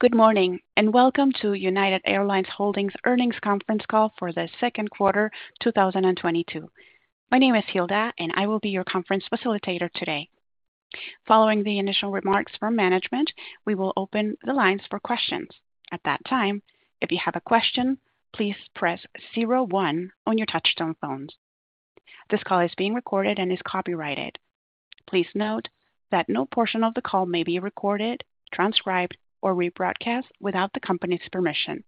Good morning, and welcome to United Airlines Holdings Earnings Conference Call for the second quarter 2022. My name is Hilda, and I will be your conference facilitator today. Following the initial remarks from management, we will open the lines for questions. At that time, if you have a question, please press zero one on your touchtone phones. This call is being recorded and is copyrighted. Please note that no portion of the call may be recorded, transcribed, or rebroadcast without the company's permission.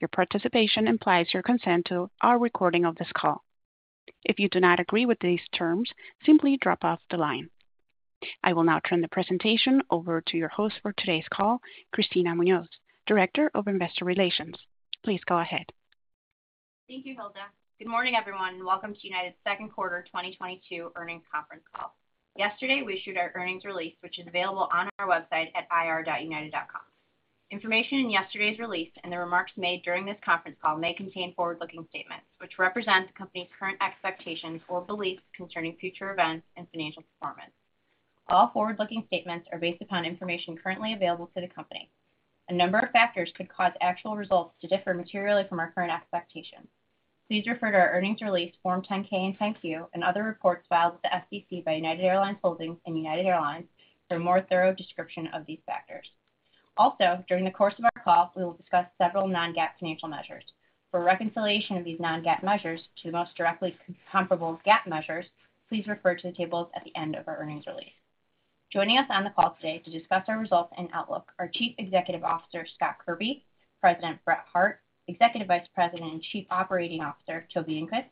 Your participation implies your consent to our recording of this call. If you do not agree with these terms, simply drop off the line. I will now turn the presentation over to your host for today's call, Kristina Munoz, Director of Investor Relations. Please go ahead. Thank you, Hilda. Good morning, everyone, and welcome to United's second quarter 2022 earnings conference call. Yesterday, we issued our earnings release, which is available on our website at ir.united.com. Information in yesterday's release and the remarks made during this conference call may contain forward-looking statements, which represent the company's current expectations or beliefs concerning future events and financial performance. All forward-looking statements are based upon information currently available to the company. A number of factors could cause actual results to differ materially from our current expectations. Please refer to our earnings release, Form 10-K and 10-Q and other reports filed with the SEC by United Airlines Holdings and United Airlines for a more thorough description of these factors. Also, during the course of our call, we will discuss several non-GAAP financial measures. For reconciliation of these non-GAAP measures to the most directly comparable GAAP measures, please refer to the tables at the end of our earnings release. Joining us on the call today to discuss our results and outlook are Chief Executive Officer Scott Kirby, President Brett Hart, Executive Vice President and Chief Operating Officer Toby Enqvist,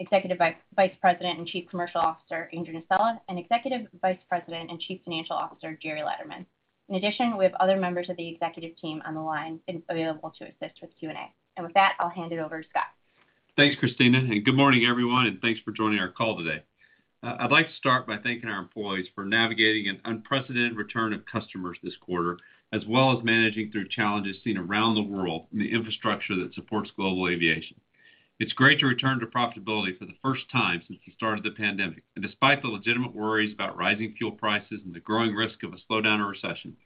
Executive Vice President and Chief Commercial Officer Andrew Nocella, and Executive Vice President and Chief Financial Officer, Gerry Laderman. In addition, we have other members of the executive team on the line and available to assist with Q&A. With that, I'll hand it over to Scott. Thanks, Kristina, and good morning, everyone, and thanks for joining our call today. I'd like to start by thanking our employees for navigating an unprecedented return of customers this quarter, as well as managing through challenges seen around the world in the infrastructure that supports global aviation. It's great to return to profitability for the first time since the start of the pandemic. Despite the legitimate worries about rising fuel prices and the growing risk of a slowdown or recession,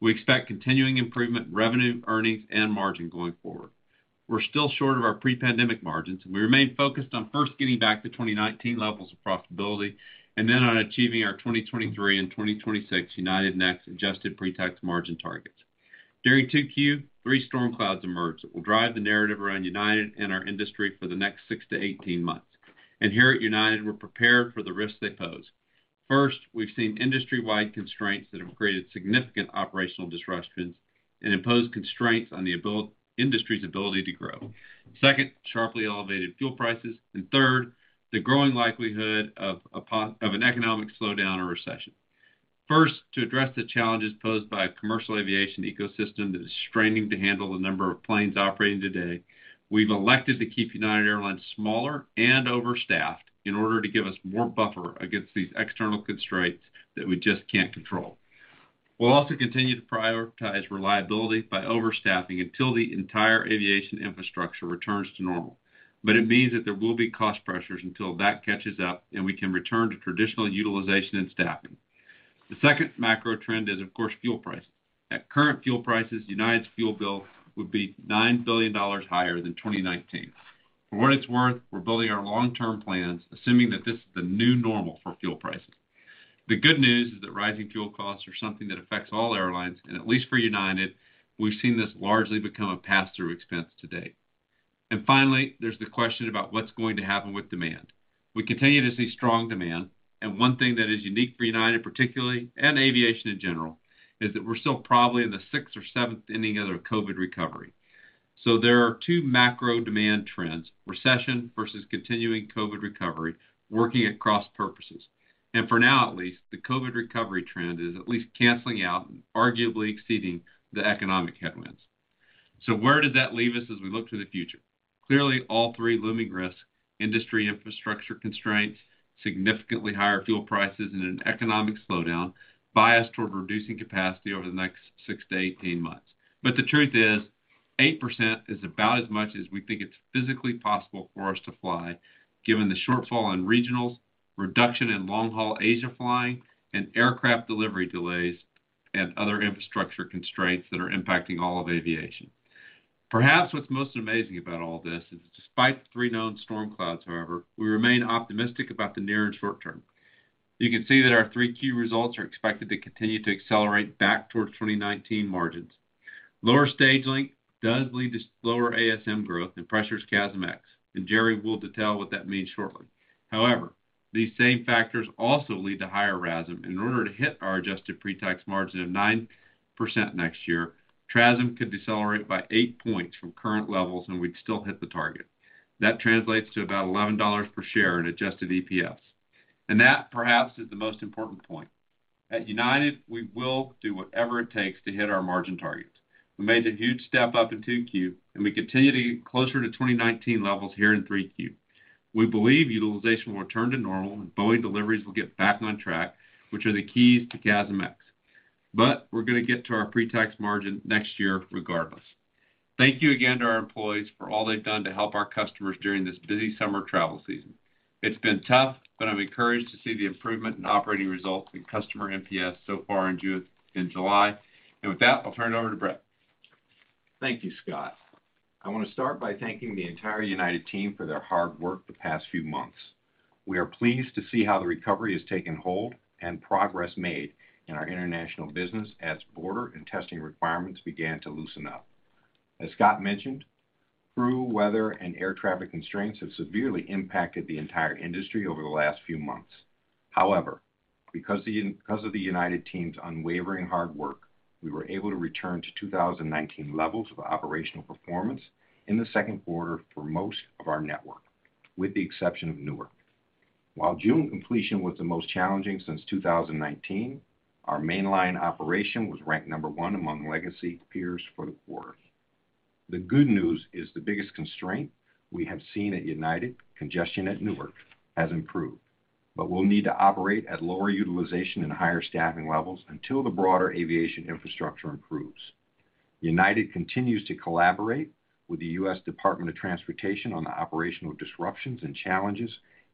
we expect continuing improvement in revenue, earnings, and margin going forward. We're still short of our pre-pandemic margins, and we remain focused on first getting back to 2019 levels of profitability and then on achieving our 2023 and 2026 United Next adjusted pre-tax margin targets. During 2Q, 3 storm clouds emerge that will drive the narrative around United and our industry for the next 6-18 months. Here at United, we're prepared for the risks they pose. First, we've seen industry-wide constraints that have created significant operational disruptions and imposed constraints on the industry's ability to grow. Second, sharply elevated fuel prices and third, the growing likelihood of an economic slowdown or recession. First, to address the challenges posed by a commercial aviation ecosystem that is straining to handle the number of planes operating today, we've elected to keep United Airlines smaller and overstaffed in order to give us more buffer against these external constraints that we just can't control. We'll also continue to prioritize reliability by overstaffing until the entire aviation infrastructure returns to normal. It means that there will be cost pressures until that catches up and we can return to traditional utilization and staffing. The second macro trend is, of course, fuel pricing. At current fuel prices, United's fuel bill would be $9 billion higher than 2019. For what it's worth, we're building our long-term plans, assuming that this is the new normal for fuel prices. The good news is that rising fuel costs are something that affects all airlines, and at least for United, we've seen this largely become a pass-through expense to date. Finally, there's the question about what's going to happen with demand. We continue to see strong demand, and one thing that is unique for United, particularly, and aviation in general, is that we're still probably in the sixth or seventh inning of the COVID recovery. There are two macro demand trends, recession versus continuing COVID recovery, working at cross purposes. For now, at least, the COVID recovery trend is at least canceling out and arguably exceeding the economic headwinds. Where does that leave us as we look to the future? Clearly, all three looming risks, industry infrastructure constraints, significantly higher fuel prices, and an economic slowdown, bias toward reducing capacity over the next 6-18 months. The truth is, 8% is about as much as we think it's physically possible for us to fly, given the shortfall in regionals, reduction in long-haul Asia flying, and aircraft delivery delays and other infrastructure constraints that are impacting all of aviation. Perhaps what's most amazing about all this is despite the three known storm clouds, however, we remain optimistic about the near and short term. You can see that our three key results are expected to continue to accelerate back towards 2019 margins. Lower stage length does lead to slower ASM growth and pressures CASM-ex, and Gerry will detail what that means shortly. However, these same factors also lead to higher RASM, and in order to hit our adjusted pre-tax margin of 9% next year, TRASM could decelerate by 8 points from current levels, and we'd still hit the target. That translates to about $11 per share in adjusted EPS. That perhaps is the most important point. At United, we will do whatever it takes to hit our margin targets. We made a huge step up in 2Q, and we continue to get closer to 2019 levels here in 3Q. We believe utilization will return to normal and Boeing deliveries will get back on track, which are the keys to CASM-ex. We're gonna get to our pre-tax margin next year regardless. Thank you again to our employees for all they've done to help our customers during this busy summer travel season. It's been tough, but I'm encouraged to see the improvement in operating results in customer NPS so far in July. With that, I'll turn it over to Brett. Thank you, Scott. I wanna start by thanking the entire United team for their hard work the past few months. We are pleased to see how the recovery has taken hold and progress made in our international business as border and testing requirements began to loosen up. As Scott mentioned, crew, weather, and air traffic constraints have severely impacted the entire industry over the last few months. However, because of the United team's unwavering hard work, we were able to return to 2019 levels of operational performance in the second quarter for most of our network, with the exception of Newark. While June completion was the most challenging since 2019, our mainline operation was ranked number one among legacy peers for the quarter. The good news is the biggest constraint we have seen at United, congestion at Newark, has improved, but we'll need to operate at lower utilization and higher staffing levels until the broader aviation infrastructure improves. United continues to collaborate with the U.S. Department of Transportation on the operational disruptions and challenges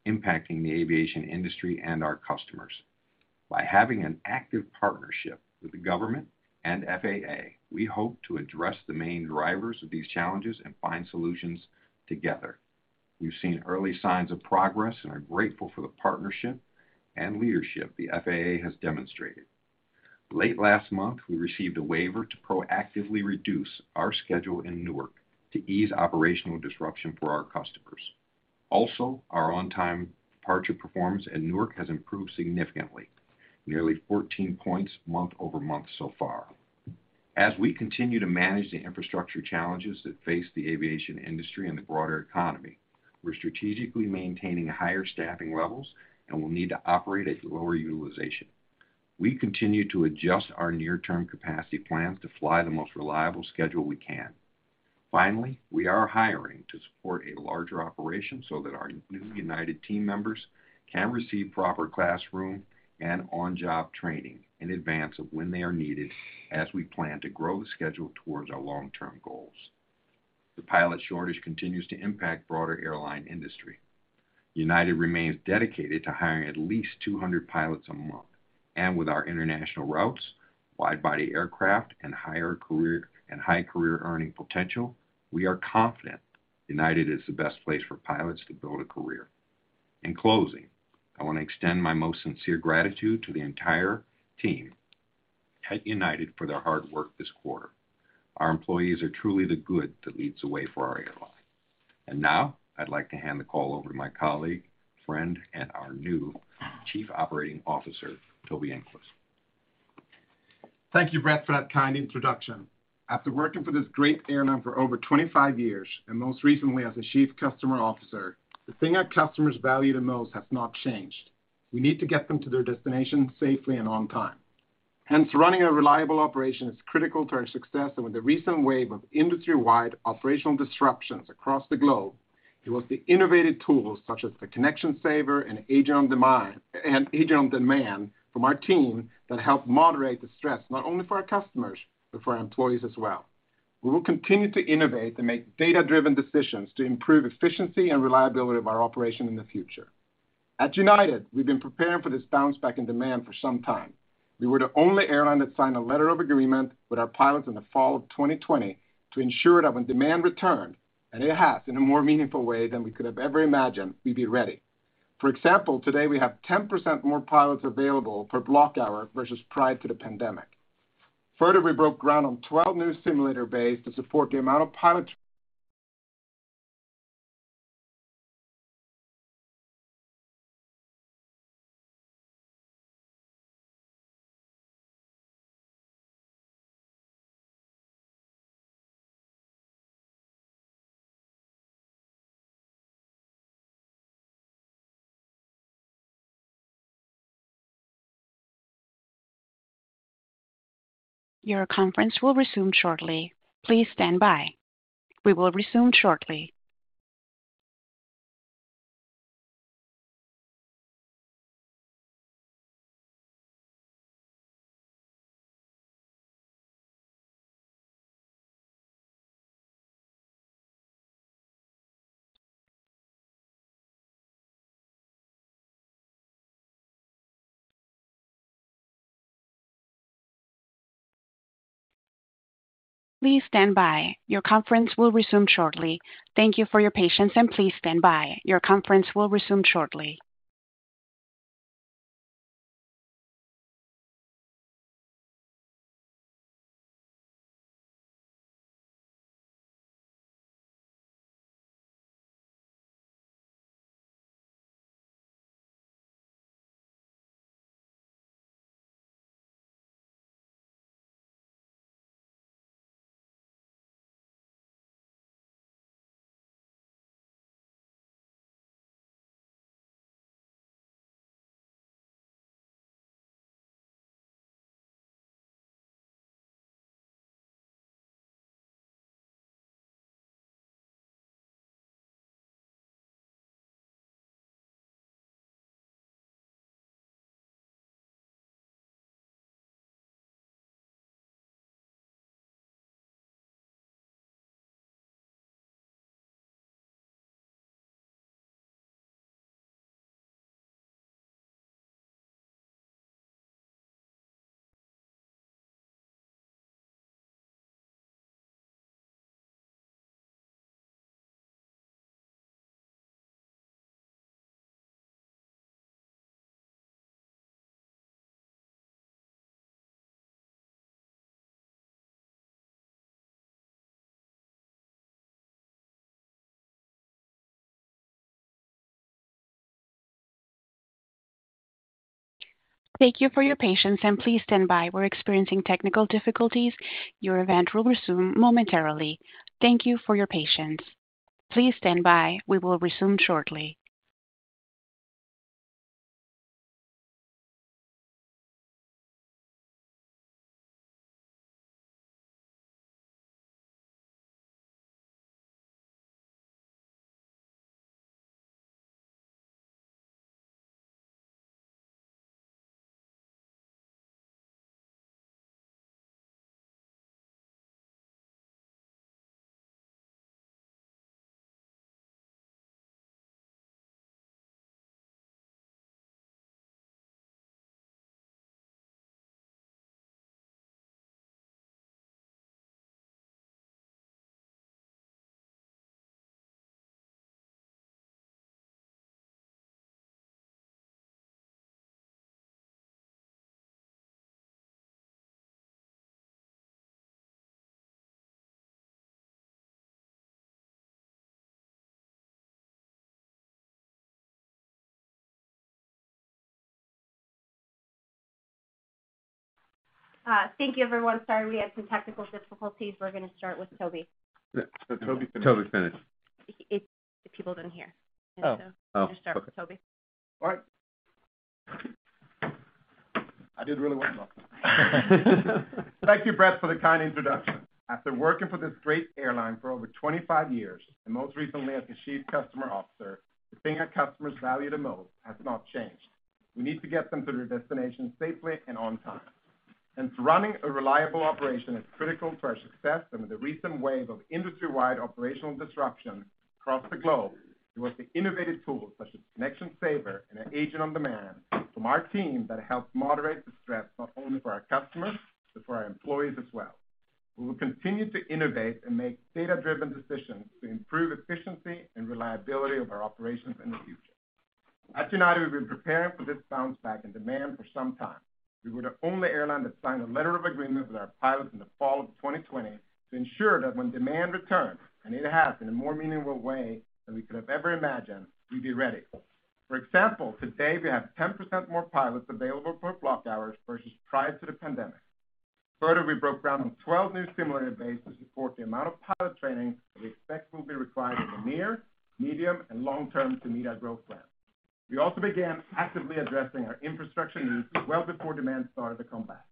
impacting the aviation industry and our customers. By having an active partnership with the government and FAA, we hope to address the main drivers of these challenges and find solutions together. We've seen early signs of progress and are grateful for the partnership and leadership the FAA has demonstrated. Late last month, we received a waiver to proactively reduce our schedule in Newark to ease operational disruption for our customers. Also, our on-time departure performance at Newark has improved significantly, nearly 14 points month-over-month so far. As we continue to manage the infrastructure challenges that face the aviation industry and the broader economy, we're strategically maintaining higher staffing levels and will need to operate at lower utilization. We continue to adjust our near-term capacity plans to fly the most reliable schedule we can. Finally, we are hiring to support a larger operation so that our new United team members can receive proper classroom and on-job training in advance of when they are needed as we plan to grow the schedule towards our long-term goals. The pilot shortage continues to impact broader airline industry. United remains dedicated to hiring at least 200 pilots a month. With our international routes, wide-body aircraft, and higher career earning potential, we are confident United is the best place for pilots to build a career. In closing, I wanna extend my most sincere gratitude to the entire team at United for their hard work this quarter. Our employees are truly the good that leads the way for our airline. Now I'd like to hand the call over to my colleague, friend, and our new Chief Operating Officer, Toby Enqvist. Thank you, Brett, for that kind introduction. After working for this great airline for over 25 years, and most recently as the Chief Customer Officer, the thing our customers value the most has not changed. We need to get them to their destination safely and on time. Hence, running a reliable operation is critical to our success, and with the recent wave of industry-wide operational disruptions across the globe, it was the innovative tools such as the ConnectionSaver and Agent on Demand from our team that helped moderate the stress, not only for our customers, but for our employees as well. We will continue to innovate and make data-driven decisions to improve efficiency and reliability of our operation in the future. At United, we've been preparing for this bounce back in demand for some time. We were the only airline that signed a letter of agreement with our pilots in the fall of 2020 to ensure that when demand returned, and it has in a more meaningful way than we could have ever imagined, we'd be ready. For example, today we have 10% more pilots available per block hour versus prior to the pandemic. Further, we broke ground on 12 new simulator bays to support the amount of pilot- Your conference will resume shortly. Please stand by. We will resume shortly. Please stand by. Your conference will resume shortly. Thank you for your patience, and please stand by. Your conference will resume shortly. Thank you for your patience and please stand by. We're experiencing technical difficulties. Your event will resume momentarily. Thank you for your patience. Please stand by. We will resume shortly. Thank you everyone. Sorry, we had some technical difficulties. We're gonna start with Toby. Toby finished. Toby finished. The people didn't hear. Oh. Oh, okay. Just start with Toby. All right. I did really well. Thank you, Brett, for the kind introduction. After working for this great airline for over 25 years, and most recently as the Chief Customer Officer, the thing our customers value the most has not changed. We need to get them to their destination safely and on time. Running a reliable operation is critical to our success under the recent wave of industry-wide operational disruption across the globe. It was the innovative tools such as ConnectionSaver and Agent on Demand from our team that helped moderate the stress, not only for our customers, but for our employees as well. We will continue to innovate and make data-driven decisions to improve efficiency and reliability of our operations in the future. At United, we've been preparing for this bounce back in demand for some time. We were the only airline that signed a letter of agreement with our pilots in the fall of 2020 to ensure that when demand returned, and it has in a more meaningful way than we could have ever imagined, we'd be ready. For example, today we have 10% more pilots available for block hours versus prior to the pandemic. Further, we broke ground on 12 new simulator bays to support the amount of pilot training that we expect will be required in the near, medium, and long term to meet our growth plan. We also began actively addressing our infrastructure needs well before demand started to come back.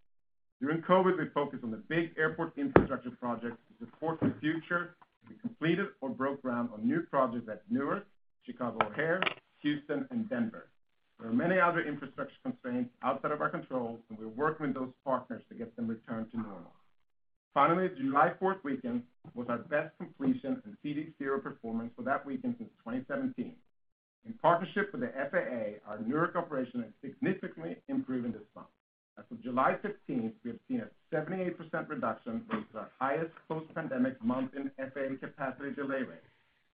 During COVID, we focused on the big airport infrastructure projects to support the future. We completed or broke ground on new projects at Newark, Chicago O'Hare, Houston, and Denver. There are many other infrastructure constraints outside of our control, and we're working with those partners to get them returned to normal. Finally, July 4 weekend was our best completion and CD0 performance for that weekend since 2017. In partnership with the FAA, our Newark operation has significantly improved this month. As of July 15, we have seen a 78% reduction from our highest post-pandemic month in FAA capacity delay rate,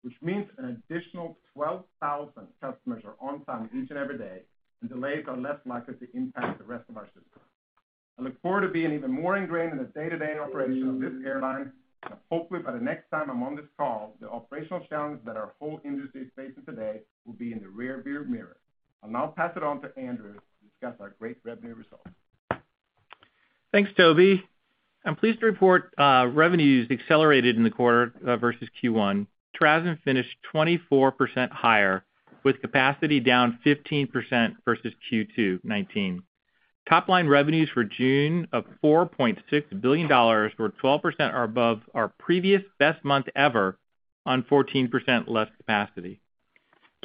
which means an additional 12,000 customers are on time each and every day, and delays are less likely to impact the rest of our system. I look forward to being even more ingrained in the day-to-day operation of this airline. Hopefully, by the next time I'm on this call, the operational challenges that our whole industry is facing today will be in the rear view mirror. I'll now pass it on to Andrew to discuss our great revenue results. Thanks, Toby. I'm pleased to report, revenues accelerated in the quarter, versus Q1. TRASM finished 24% higher with capacity down 15% versus Q2 2019. Top line revenues for June of $4.6 billion were 12% above our previous best month ever on 14% less capacity.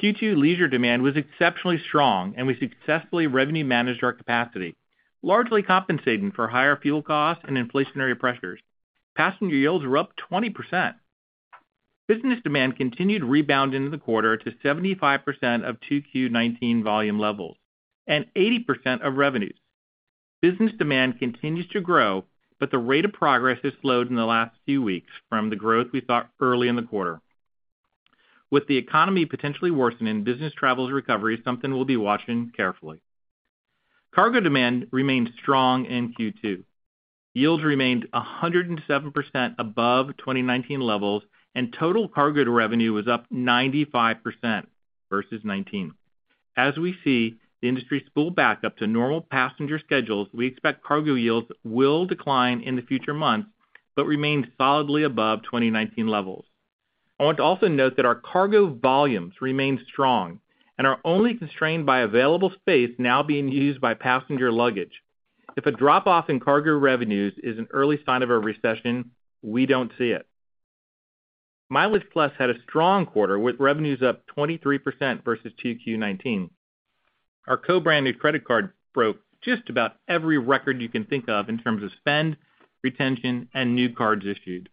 Q2 leisure demand was exceptionally strong, and we successfully revenue managed our capacity, largely compensating for higher fuel costs and inflationary pressures. Passenger yields were up 20%. Business demand continued to rebound into the quarter to 75% of 2Q '19 volume levels and 80% of revenues. Business demand continues to grow, but the rate of progress has slowed in the last few weeks from the growth we saw early in the quarter. With the economy potentially worsening, business travel's recovery is something we'll be watching carefully. Cargo demand remained strong in Q2. Yields remained 107% above 2019 levels, and total cargo revenue was up 95% versus 2019. As we see the industry spool back up to normal passenger schedules, we expect cargo yields will decline in the future months but remain solidly above 2019 levels. I want to also note that our cargo volumes remain strong and are only constrained by available space now being used by passenger luggage. If a drop off in cargo revenues is an early sign of a recession, we don't see it. MileagePlus had a strong quarter with revenues up 23% versus 2Q 2019. Our co-branded credit card broke just about every record you can think of in terms of spend, retention, and new cards issued.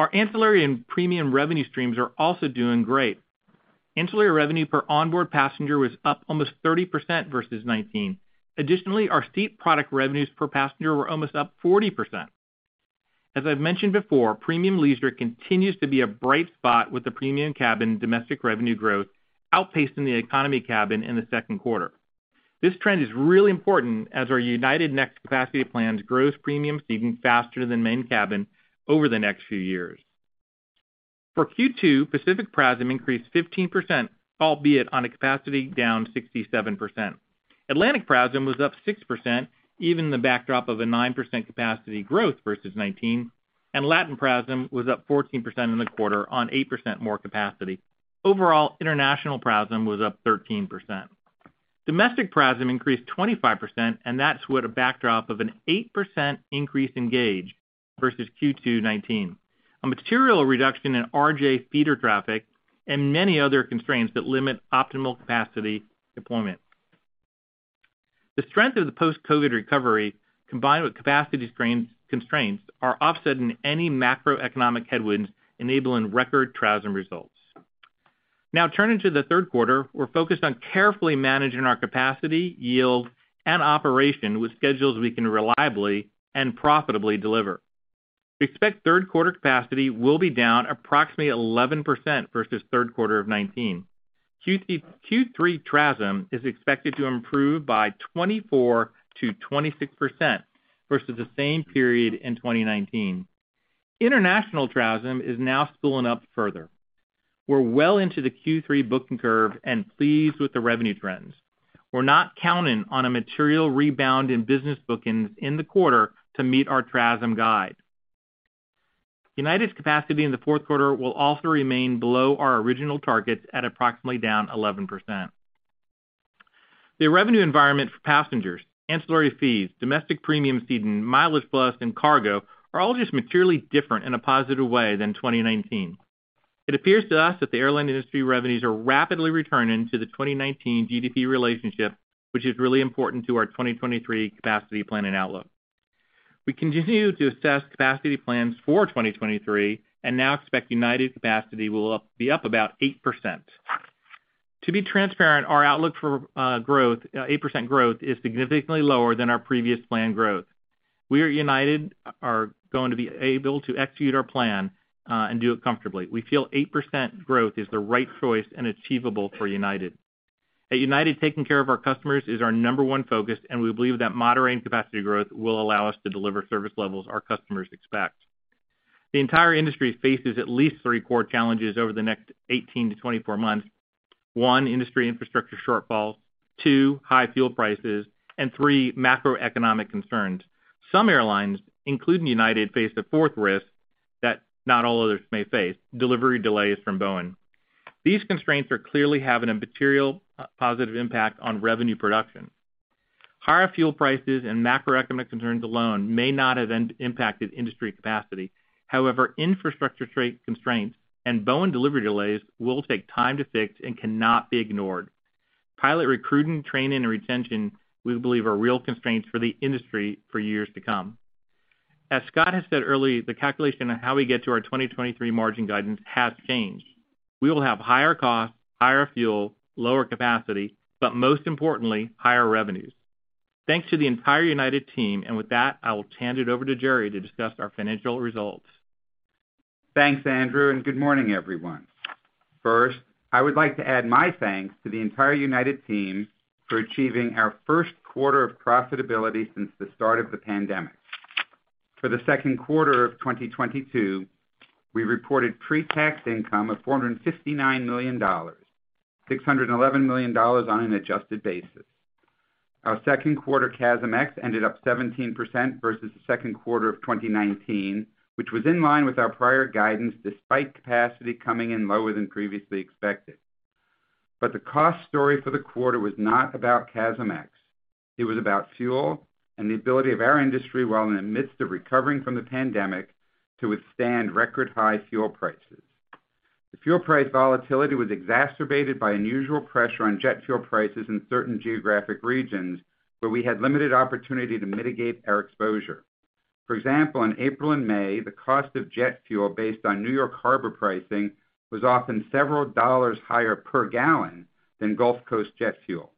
Our ancillary and premium revenue streams are also doing great. Ancillary revenue per onboard passenger was up almost 30% versus 2019. Additionally, our seat product revenues per passenger were almost up 40%. As I've mentioned before, premium leisure continues to be a bright spot with the premium cabin domestic revenue growth outpacing the economy cabin in the second quarter. This trend is really important as our United Next capacity plans grows premium seating faster than main cabin over the next few years. For Q2, Pacific PRASM increased 15%, albeit on a capacity down 67%. Atlantic PRASM was up 6%, even in the backdrop of a 9% capacity growth versus 2019, and Latin PRASM was up 14% in the quarter on 8% more capacity. Overall, international PRASM was up 13%. Domestic PRASM increased 25%, and that's with a backdrop of an 8% increase in gauge versus Q2 2019. A material reduction in RJ feeder traffic and many other constraints that limit optimal capacity deployment. The strength of the post-COVID recovery, combined with capacity constraints, are offset in any macroeconomic headwinds enabling record TRASM results. Now turning to the third quarter, we're focused on carefully managing our capacity, yield, and operation with schedules we can reliably and profitably deliver. We expect third quarter capacity will be down approximately 11% versus third quarter of 2019. Q3 TRASM is expected to improve by 24% to 26% versus the same period in 2019. International TRASM is now spooling up further. We're well into the Q3 booking curve and pleased with the revenue trends. We're not counting on a material rebound in business bookings in the quarter to meet our TRASM guide. United's capacity in the fourth quarter will also remain below our original targets at approximately down 11%. The revenue environment for passengers, ancillary fees, domestic premium seating, MileagePlus, and cargo are all just materially different in a positive way than 2019. It appears to us that the airline industry revenues are rapidly returning to the 2019 GDP relationship, which is really important to our 2023 capacity plan and outlook. We continue to assess capacity plans for 2023 and now expect United capacity will be up about 8%. To be transparent, our outlook for growth, 8% growth is significantly lower than our previous planned growth. We at United are going to be able to execute our plan and do it comfortably. We feel 8% growth is the right choice and achievable for United. At United, taking care of our customers is our number one focus, and we believe that moderating capacity growth will allow us to deliver service levels our customers expect. The entire industry faces at least three core challenges over the next 18 to 24 months. One, industry infrastructure shortfalls, two, high fuel prices, and three, macroeconomic concerns. Some airlines, including United, face the fourth risk that not all others may face, delivery delays from Boeing. These constraints are clearly having a material positive impact on revenue production. Higher fuel prices and macroeconomic concerns alone may not have then impacted industry capacity. However, infrastructure constraints and Boeing delivery delays will take time to fix and cannot be ignored. Pilot recruiting, training, and retention we believe are real constraints for the industry for years to come. As Scott has said earlier, the calculation on how we get to our 2023 margin guidance has changed. We will have higher costs, higher fuel, lower capacity, but most importantly, higher revenues. Thanks to the entire United team, and with that, I will hand it over to Gerry to discuss our financial results. Thanks, Andrew, and good morning, everyone. First, I would like to add my thanks to the entire United team for achieving our first quarter of profitability since the start of the pandemic. For the second quarter of 2022, we reported pre-tax income of $459 million, $611 million on an adjusted basis. Our second quarter CASM-ex ended up 17% versus the second quarter of 2019, which was in line with our prior guidance despite capacity coming in lower than previously expected. The cost story for the quarter was not about CASM-ex. It was about fuel and the ability of our industry while in the midst of recovering from the pandemic to withstand record high fuel prices. The fuel price volatility was exacerbated by unusual pressure on jet fuel prices in certain geographic regions where we had limited opportunity to mitigate our exposure. For example, in April and May, the cost of jet fuel based on New York Harbor pricing was often several dollars higher per gallon than Gulf Coast jet fuel.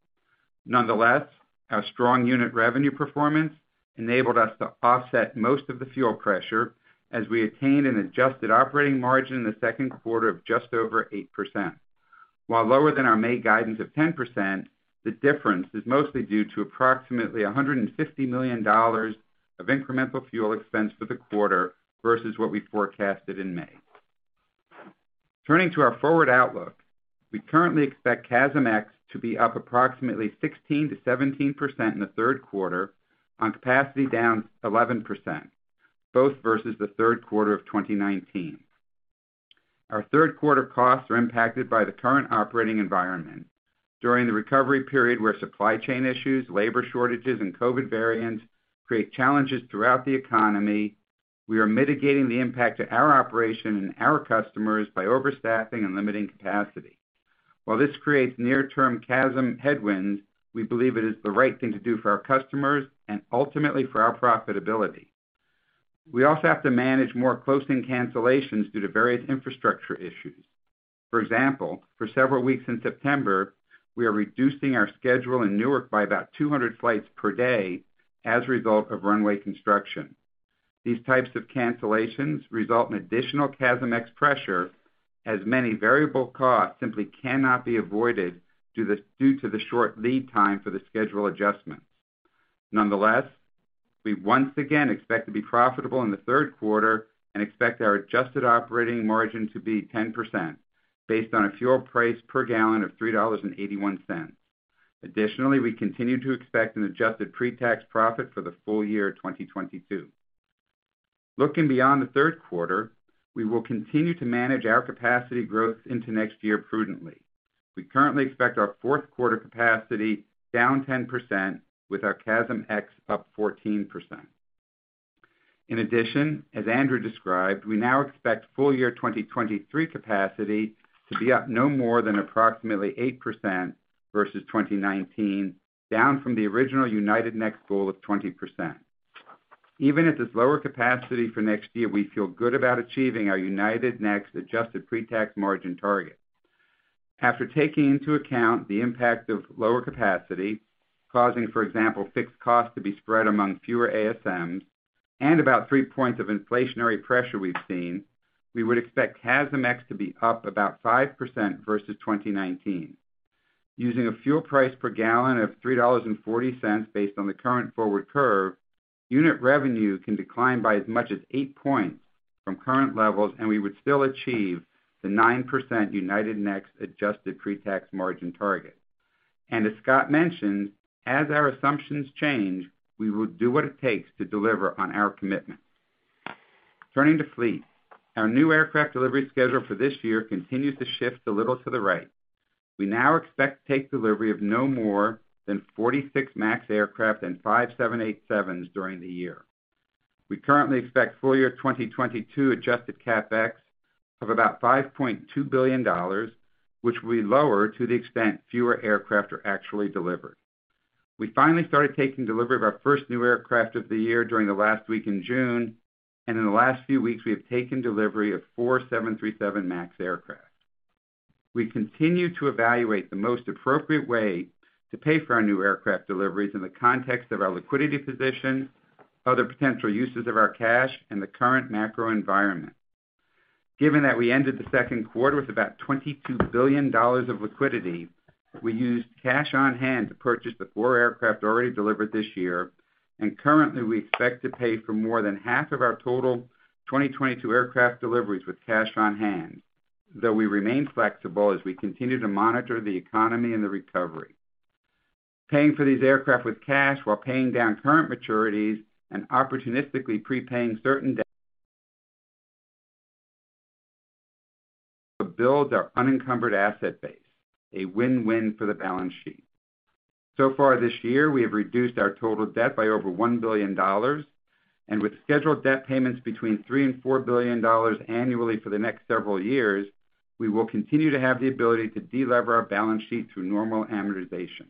Nonetheless, our strong unit revenue performance enabled us to offset most of the fuel pressure as we attained an adjusted operating margin in the second quarter of just over 8%. While lower than our May guidance of 10%, the difference is mostly due to approximately $150 million of incremental fuel expense for the quarter versus what we forecasted in May. Turning to our forward outlook, we currently expect CASM-ex to be up approximately 16%-17% in the third quarter on capacity down 11%, both versus the third quarter of 2019. Our third quarter costs are impacted by the current operating environment. During the recovery period where supply chain issues, labor shortages, and COVID variants create challenges throughout the economy, we are mitigating the impact to our operation and our customers by overstaffing and limiting capacity. While this creates near-term CASM headwinds, we believe it is the right thing to do for our customers and ultimately for our profitability. We also have to manage more close-in cancellations due to various infrastructure issues. For example, for several weeks in September, we are reducing our schedule in Newark by about 200 flights per day as a result of runway construction. These types of cancellations result in additional CASM-ex pressure, as many variable costs simply cannot be avoided due to the short lead time for the schedule adjustments. Nonetheless, we once again expect to be profitable in the third quarter and expect our adjusted operating margin to be 10% based on a fuel price per gallon of $3.81. Additionally, we continue to expect an adjusted pre-tax profit for the full year 2022. Looking beyond the third quarter, we will continue to manage our capacity growth into next year prudently. We currently expect our fourth quarter capacity down 10% with our CASM-ex up 14%. In addition, as Andrew described, we now expect full-year 2023 capacity to be up no more than approximately 8% versus 2019, down from the original United Next goal of 20%. Even at this lower capacity for next year, we feel good about achieving our United Next adjusted pre-tax margin target. After taking into account the impact of lower capacity, causing, for example, fixed costs to be spread among fewer ASMs, and about three points of inflationary pressure we've seen, we would expect CASM-ex to be up about 5% versus 2019. Using a fuel price per gallon of $3.40 based on the current forward curve, unit revenue can decline by as much as eight points from current levels, and we would still achieve the 9% United Next adjusted pre-tax margin target. As Scott mentioned, as our assumptions change, we will do what it takes to deliver on our commitment. Turning to fleet. Our new aircraft delivery schedule for this year continues to shift a little to the right. We now expect to take delivery of no more than 46 MAX aircraft and five 787s during the year. We currently expect full-year 2022 adjusted CapEx of about $5.2 billion, which will be lower to the extent fewer aircraft are actually delivered. We finally started taking delivery of our first new aircraft of the year during the last week in June, and in the last few weeks, we have taken delivery of four 737 MAX aircraft. We continue to evaluate the most appropriate way to pay for our new aircraft deliveries in the context of our liquidity position, other potential uses of our cash, and the current macro environment. Given that we ended the second quarter with about $22 billion of liquidity, we used cash on hand to purchase the 4 aircraft already delivered this year, and currently, we expect to pay for more than half of our total 2022 aircraft deliveries with cash on hand, though we remain flexible as we continue to monitor the economy and the recovery. Paying for these aircraft with cash while paying down current maturities and opportunistically prepaying certain debt to build our unencumbered asset base, a win-win for the balance sheet. So far this year, we have reduced our total debt by over $1 billion, and with scheduled debt payments between $3 billion and $4 billion annually for the next several years, we will continue to have the ability to delever our balance sheet through normal amortization.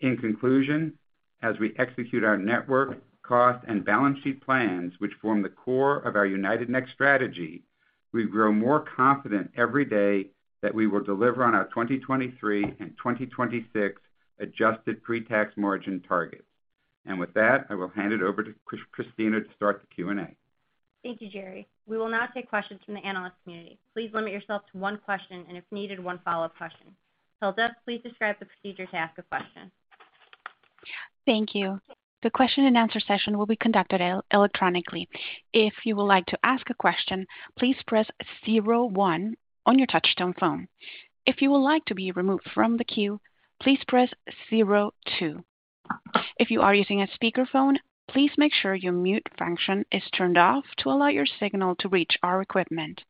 In conclusion, as we execute our network, cost, and balance sheet plans, which form the core of our United Next strategy, we grow more confident every day that we will deliver on our 2023 and 2026 adjusted pre-tax margin targets. With that, I will hand it over to Kristina to start the Q&A. Thank you, Gerry. We will now take questions from the analyst community. Please limit yourself to one question and if needed, one follow-up question. Hilda, please describe the procedure to ask a question. Thank you. The question and answer session will be conducted electronically. If you would like to ask a question, please press zero one on your touchtone phone. If you would like to be removed from the queue, please press zero two. If you are using a speakerphone, please make sure your mute function is turned off to allow your signal to reach our equipment.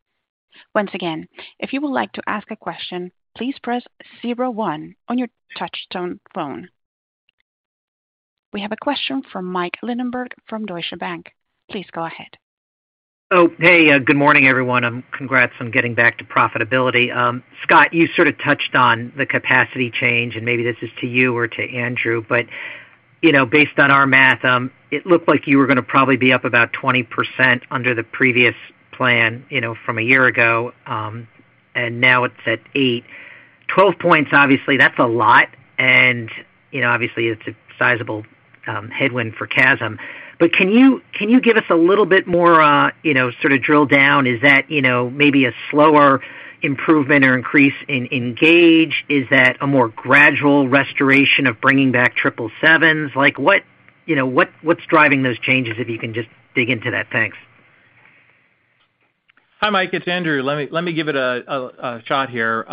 Once again, if you would like to ask a question, please press zero one on your touchtone phone. We have a question from Mike Linenberg from Deutsche Bank. Please go ahead. Oh, hey, good morning, everyone, and congrats on getting back to profitability. Scott, you sort of touched on the capacity change, and maybe this is to you or to Andrew, but, you know, based on our math, it looked like you were gonna probably be up about 20% under the previous plan, you know, from a year ago, and now it's at 8%. 12 points, obviously, that's a lot, and, you know, obviously, it's a sizable headwind for CASM. Can you give us a little bit more, you know, sort of drill down? Is that, you know, maybe a slower improvement or increase in gauge? Is that a more gradual restoration of bringing back triple sevens? Like, what, you know, what's driving those changes, if you can just dig into that? Thanks. Hi, Mike, it's Andrew. Let me give it a shot here.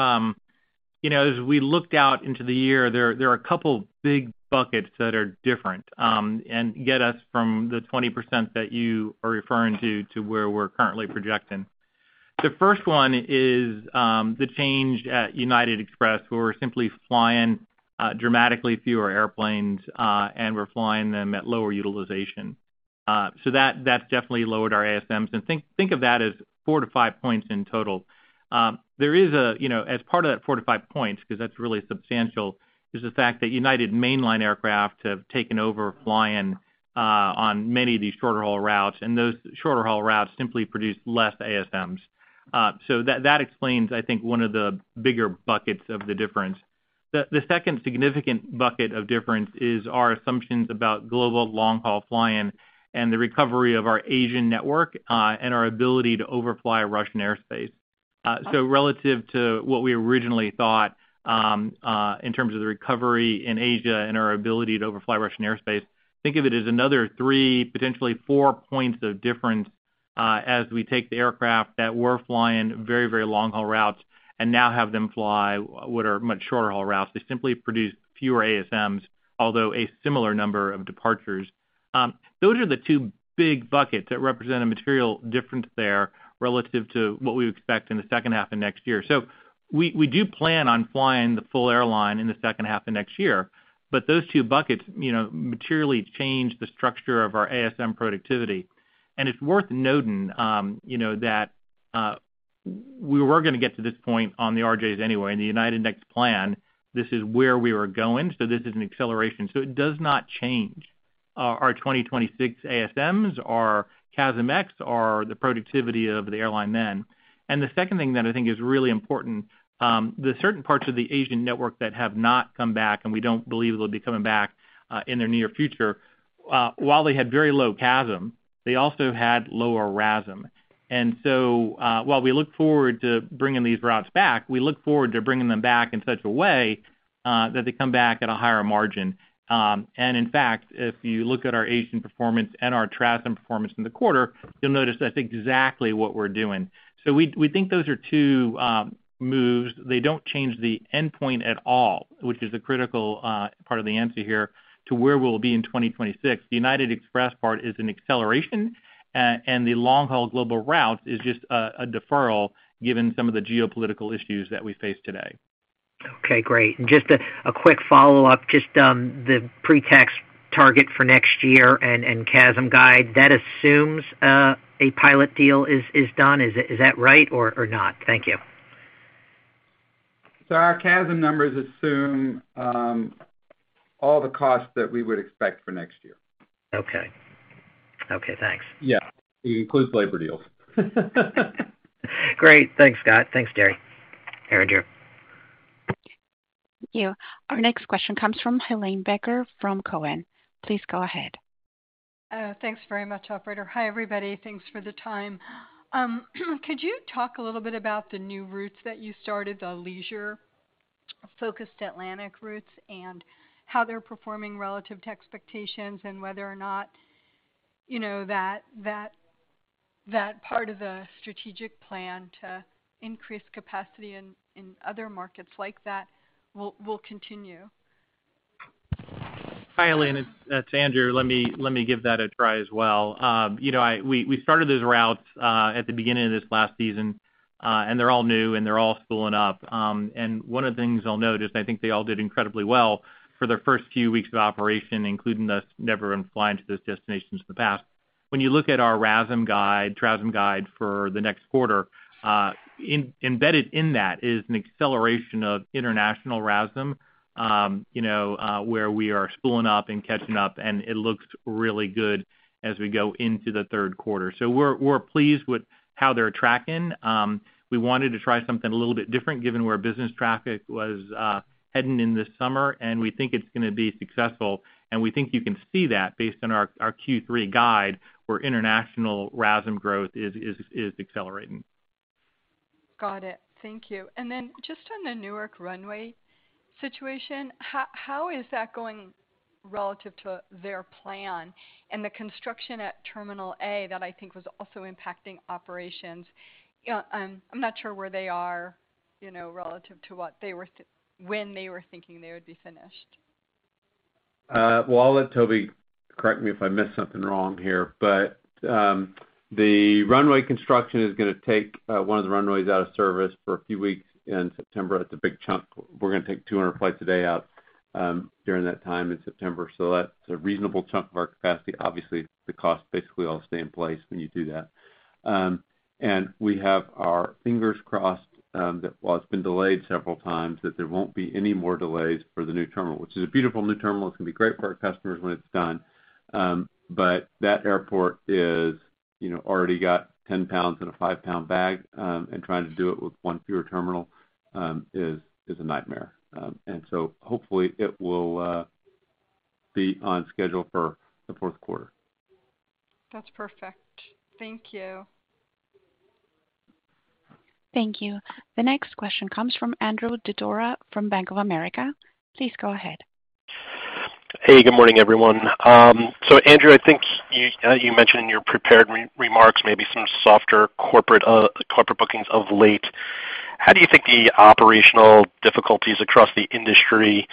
You know, as we looked out into the year, there are a couple big buckets that are different, and get us from the 20% that you are referring to where we're currently projecting. The first one is the change at United Express. We're simply flying dramatically fewer airplanes, and we're flying them at lower utilization. That definitely lowered our ASMs. Think of that as 4-5 points in total. You know, as part of that 4-5 points, 'cause that's really substantial, the fact that United Mainline aircraft have taken over flying on many of these shorter-haul routes, and those shorter-haul routes simply produce less ASMs. That explains, I think, one of the bigger buckets of the difference. The second significant bucket of difference is our assumptions about global long-haul flying and the recovery of our Asian network, and our ability to overfly Russian airspace. Relative to what we originally thought, in terms of the recovery in Asia and our ability to overfly Russian airspace, think of it as another three, potentially 4 points of difference, as we take the aircraft that were flying very, very long-haul routes and now have them fly what are much shorter-haul routes. They simply produce fewer ASMs, although a similar number of departures. Those are the two big buckets that represent a material difference there relative to what we expect in the second half of next year. We do plan on flying the full airline in the second half of next year, but those two buckets, you know, materially change the structure of our ASM productivity. It's worth noting that we were gonna get to this point on the RJs anyway. In the United Next plan, this is where we were going, so this is an acceleration. It does not change our 2026 ASMs, our CASM-ex, or the productivity of the airline then. The second thing that I think is really important, the certain parts of the Asian network that have not come back, and we don't believe they'll be coming back in the near future, while they had very low CASM, they also had lower RASM. While we look forward to bringing these routes back, we look forward to bringing them back in such a way that they come back at a higher margin. And in fact, if you look at our Asian performance and our TRASM performance in the quarter, you'll notice that's exactly what we're doing. We think those are two moves. They don't change the endpoint at all, which is the critical part of the answer here to where we'll be in 2026. The United Express part is an acceleration, and the long-haul global route is just a deferral given some of the geopolitical issues that we face today. Okay, great. Just a quick follow-up. Just, the pre-tax target for next year and CASM guide, that assumes a pilot deal is done. Is that right or not? Thank you. Our CASM numbers assume all the costs that we would expect for next year. Okay, thanks. Yeah. It includes labor deals. Great. Thanks, Scott. Thanks, Gerry. Erin, go. Thank you. Our next question comes from Helane Becker from Cowen. Please go ahead. Thanks very much, operator. Hi, everybody. Thanks for the time. Could you talk a little bit about the new routes that you started, the leisure-focused Atlantic routes, and how they're performing relative to expectations and whether or not, you know, that part of the strategic plan to increase capacity in other markets like that will continue? Hi, Helane. It's Andrew. Let me give that a try as well. You know, we started those routes at the beginning of this last season, and they're all new, and they're all spooling up. One of the things I'll note is I think they all did incredibly well for their first few weeks of operation, including us never even flying to those destinations in the past. When you look at our RASM guide, TRASM guide for the next quarter, embedded in that is an acceleration of international RASM, you know, where we are spooling up and catching up, and it looks really good as we go into the third quarter. We're pleased with how they're tracking. We wanted to try something a little bit different given where business traffic was heading in this summer, and we think it's gonna be successful, and we think you can see that based on our Q3 guide, where international RASM growth is accelerating. Got it. Thank you. Just on the Newark runway situation, how is that going relative to their plan and the construction at Terminal A that I think was also impacting operations? You know, I'm not sure where they are, you know, relative to what they were when they were thinking they would be finished. Well, I'll let Toby correct me if I missed something wrong here. The runway construction is gonna take one of the runways out of service for a few weeks in September. It's a big chunk. We're gonna take 200 flights a day out during that time in September. That's a reasonable chunk of our capacity. Obviously, the costs basically all stay in place when you do that. We have our fingers crossed that while it's been delayed several times, that there won't be any more delays for the new terminal, which is a beautiful new terminal. It's gonna be great for our customers when it's done. That airport is, you know, already got 10 pounds in a 5-pound bag, and trying to do it with one fewer terminal is a nightmare. Hopefully it will be on schedule for the fourth quarter. That's perfect. Thank you. Thank you. The next question comes from Andrew Didora from Bank of America. Please go ahead. Hey, good morning, everyone. Andrew, I think you mentioned in your prepared remarks maybe some softer corporate bookings of late. How do you think the operational difficulties across the industry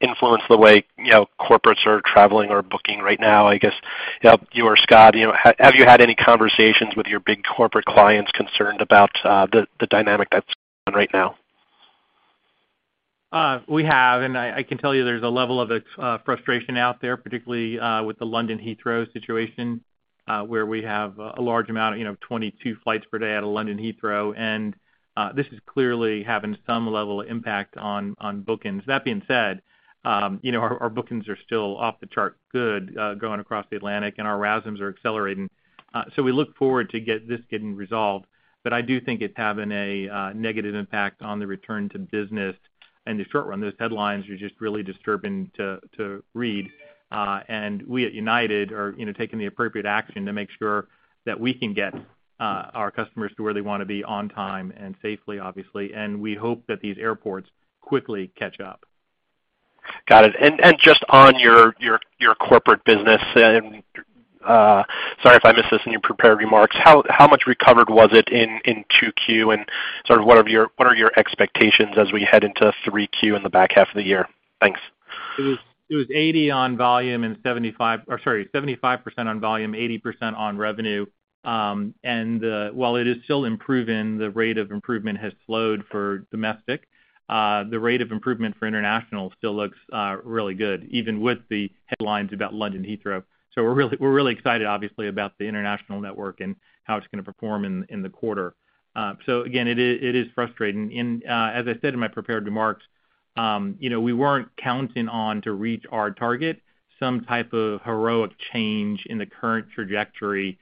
influence the way, you know, corporates are traveling or booking right now? I guess, you know, you or Scott, you know, have you had any conversations with your big corporate clients concerned about the dynamic that's going right now? We have, I can tell you there's a level of frustration out there, particularly with the London Heathrow situation, where we have a large amount, you know, 22 flights per day out of London Heathrow. This is clearly having some level of impact on bookings. That being said, you know, our bookings are still off the chart good, going across the Atlantic, and our RASMs are accelerating. We look forward to get this getting resolved. I do think it's having a negative impact on the return to business in the short run. Those headlines are just really disturbing to read. We at United are, you know, taking the appropriate action to make sure that we can get our customers to where they wanna be on time and safely, obviously. We hope that these airports quickly catch up. Got it. Just on your corporate business, and sorry if I missed this in your prepared remarks, how much recovered was it in 2Q and sort of what are your expectations as we head into 3Q in the back half of the year? Thanks. It was 75% on volume, 80% on revenue. While it is still improving, the rate of improvement has slowed for domestic. The rate of improvement for international still looks really good, even with the headlines about London Heathrow. We're really excited obviously about the international network and how it's gonna perform in the quarter. It is frustrating. As I said in my prepared remarks, you know, we weren't counting on to reach our target some type of heroic change in the current trajectory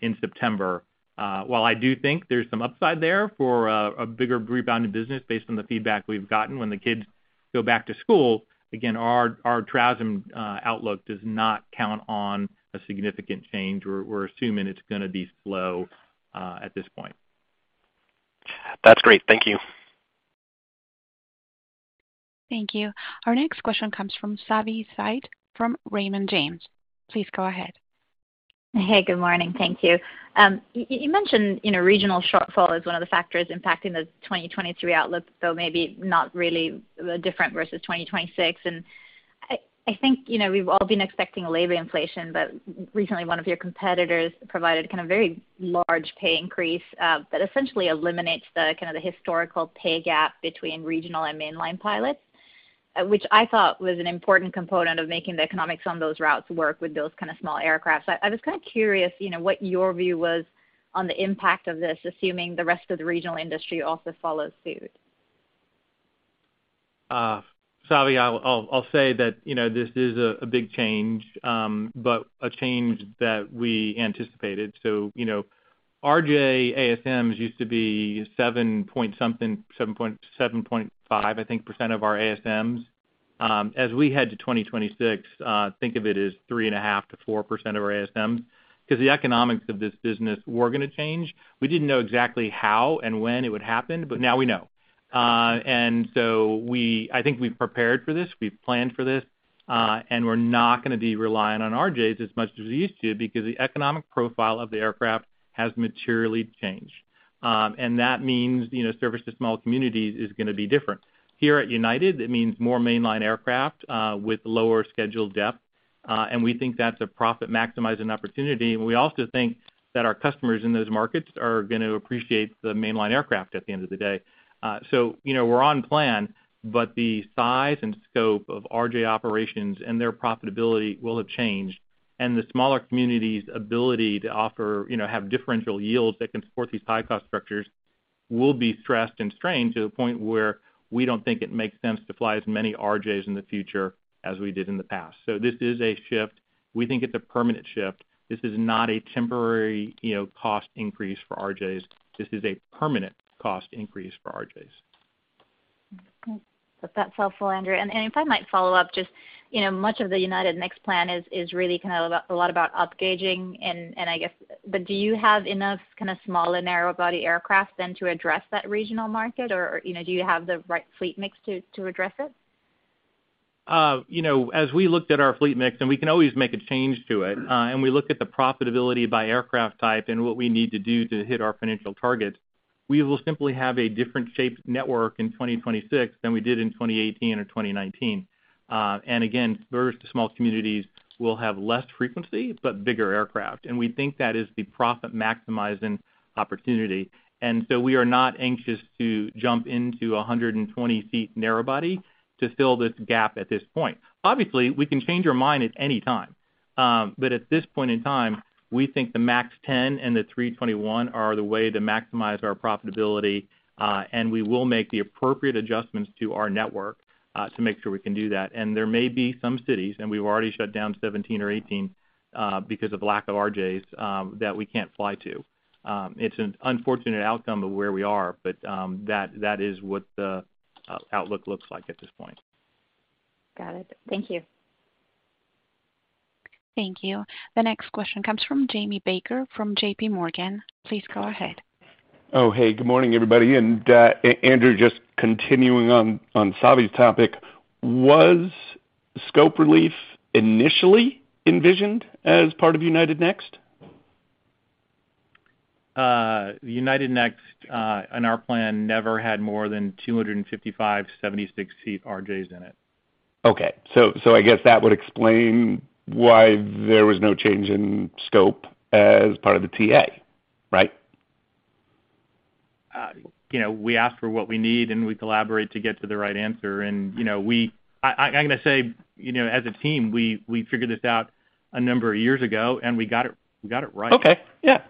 in September. While I do think there's some upside there for a bigger rebound in business based on the feedback we've gotten when the kids go back to school, again, our RASM outlook does not count on a significant change. We're assuming it's gonna be slow at this point. That's great. Thank you. Thank you. Our next question comes from Savanthi Syth from Raymond James. Please go ahead. Hey, good morning. Thank you. You mentioned, you know, regional shortfall is one of the factors impacting the 2023 outlook, so maybe not really different versus 2026. I think, you know, we've all been expecting labor inflation, but recently one of your competitors provided kind of very large pay increase that essentially eliminates the kind of the historical pay gap between regional and mainline pilots, which I thought was an important component of making the economics on those routes work with those kind of small aircrafts. I was kind of curious, you know, what your view was on the impact of this, assuming the rest of the regional industry also follows suit. Savi, I'll say that, you know, this is a big change, but a change that we anticipated. You know, RJ ASMs used to be 7.5%, I think, of our ASMs. As we head to 2026, think of it as 3.5% to 4% of our ASMs 'cause the economics of this business were gonna change. We didn't know exactly how and when it would happen, but now we know. I think we've prepared for this, we've planned for this, and we're not gonna be reliant on RJs as much as we used to because the economic profile of the aircraft has materially changed. That means, you know, service to small communities is gonna be different. Here at United, it means more mainline aircraft with lower scheduled depth, and we think that's a profit-maximizing opportunity. We also think that our customers in those markets are gonna appreciate the mainline aircraft at the end of the day. You know, we're on plan, but the size and scope of RJ operations and their profitability will have changed, and the smaller communities' ability to offer, you know, have differential yields that can support these high cost structures will be stressed and strained to the point where we don't think it makes sense to fly as many RJs in the future as we did in the past. This is a shift. We think it's a permanent shift. This is not a temporary, you know, cost increase for RJs. This is a permanent cost increase for RJs. That's helpful, Andrew. If I might follow up just, you know, much of the United Next plan is really kind of a lot about upgauging and, I guess, but do you have enough kind of small and narrow-body aircraft then to address that regional market or, you know, do you have the right fleet mix to address it? You know, as we looked at our fleet mix, and we can always make a change to it, and we look at the profitability by aircraft type and what we need to do to hit our financial targets, we will simply have a different shaped network in 2026 than we did in 2018 or 2019. Again, various small communities will have less frequency but bigger aircraft, and we think that is the profit-maximizing opportunity. We are not anxious to jump into a 120-seat narrow body to fill this gap at this point. Obviously, we can change our mind at any time. At this point in time, we think the MAX 10 and the 321 are the way to maximize our profitability, and we will make the appropriate adjustments to our network to make sure we can do that. There may be some cities, and we've already shut down 17 or 18 because of lack of RJs that we can't fly to. It's an unfortunate outcome of where we are, but that is what the outlook looks like at this point. Got it. Thank you. Thank you. The next question comes from Jamie Baker from J.P. Morgan. Please go ahead. Oh, hey, good morning, everybody. Andrew, just continuing on Savi's topic, was scope relief initially envisioned as part of United Next? United Next, in our plan never had more than 255 76-seat RJs in it. Okay. I guess that would explain why there was no change in scope as part of the TA, right? You know, we ask for what we need, and we collaborate to get to the right answer. You know, I'm gonna say, you know, as a team, we figured this out a number of years ago, and we got it right. I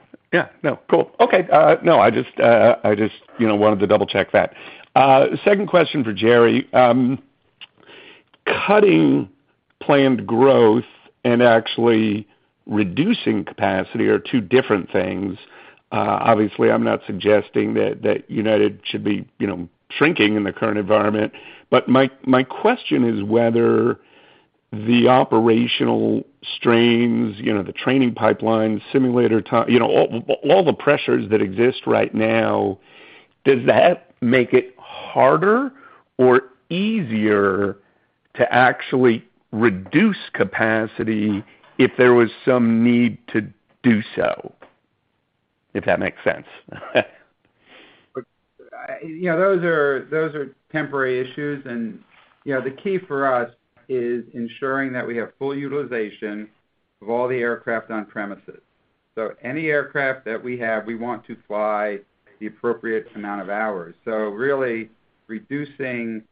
just, you know, wanted to double-check that. Second question for Gerry. Cutting planned growth and actually reducing capacity are two different things. Obviously, I'm not suggesting that United should be, you know, shrinking in the current environment. My question is whether the operational strains, you know, the training pipeline, simulator time, you know, all the pressures that exist right now, does that make it harder or easier to actually reduce capacity if there was some need to do so? If that makes sense. You know, those are temporary issues. You know, the key for us is ensuring that we have full utilization of all the aircraft on premises. Any aircraft that we have, we want to fly the appropriate amount of hours. Really reducing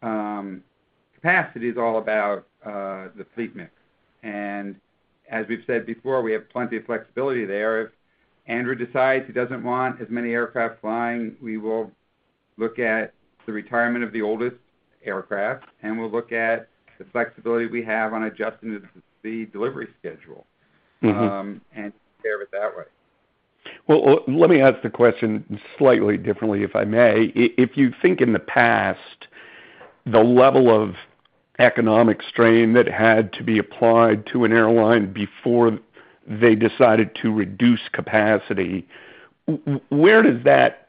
capacity is all about the fleet mix. As we've said before, we have plenty of flexibility there. If Andrew decides he doesn't want as many aircraft flying, we will look at the retirement of the oldest aircraft, and we'll look at the flexibility we have on adjusting the delivery schedule. Mm-hmm compare it that way. Well, let me ask the question slightly differently, if I may. If you think in the past, the level of economic strain that had to be applied to an airline before they decided to reduce capacity, where does that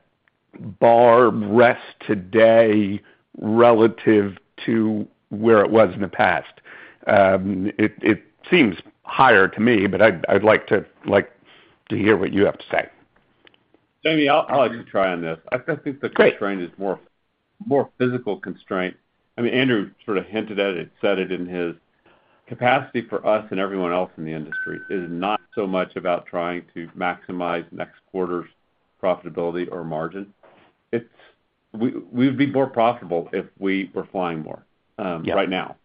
bar rest today relative to where it was in the past? It seems higher to me, but I'd like to hear what you have to say. Jamie, I'll like to try on this. Great. I think the constraint is more physical constraint. I mean, Andrew sort of hinted at it, said it in his capacity for us and everyone else in the industry is not so much about trying to maximize next quarter's profitability or margin. It's. We would be more profitable if we were flying more. Yeah Right now.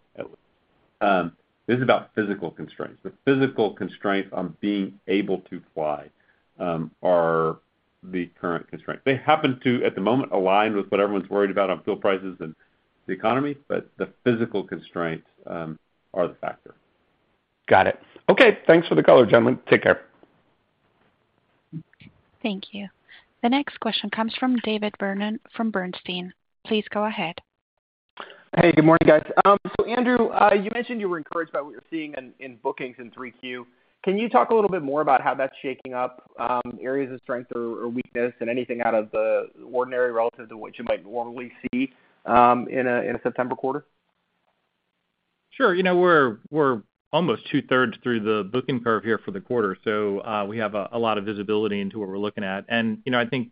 This is about physical constraints. The physical constraints on being able to fly are the current constraint. They happen to, at the moment, align with what everyone's worried about on fuel prices and the economy, but the physical constraints are the factor. Got it. Okay. Thanks for the color, gentlemen. Take care. Thank you. The next question comes from David Vernon from Bernstein. Please go ahead. Hey, good morning, guys. Andrew, you mentioned you were encouraged by what you're seeing in bookings in 3Q. Can you talk a little bit more about how that's shaking up areas of strength or weakness and anything out of the ordinary relative to what you might normally see in a September quarter? Sure. You know, we're almost two-thirds through the booking curve here for the quarter. We have a lot of visibility into what we're looking at. You know, I think,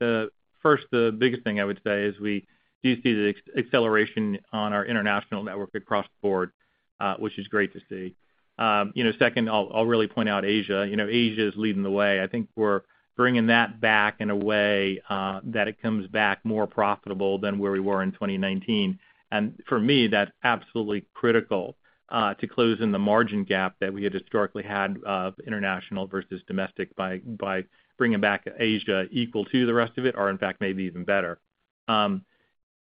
first, the biggest thing I would say is we do see the acceleration on our international network across the board, which is great to see. You know, second, I'll really point out Asia. You know, Asia is leading the way. I think we're bringing that back in a way that it comes back more profitable than where we were in 2019. For me, that's absolutely critical to closing the margin gap that we had historically of international versus domestic by bringing back Asia equal to the rest of it, or in fact, maybe even better.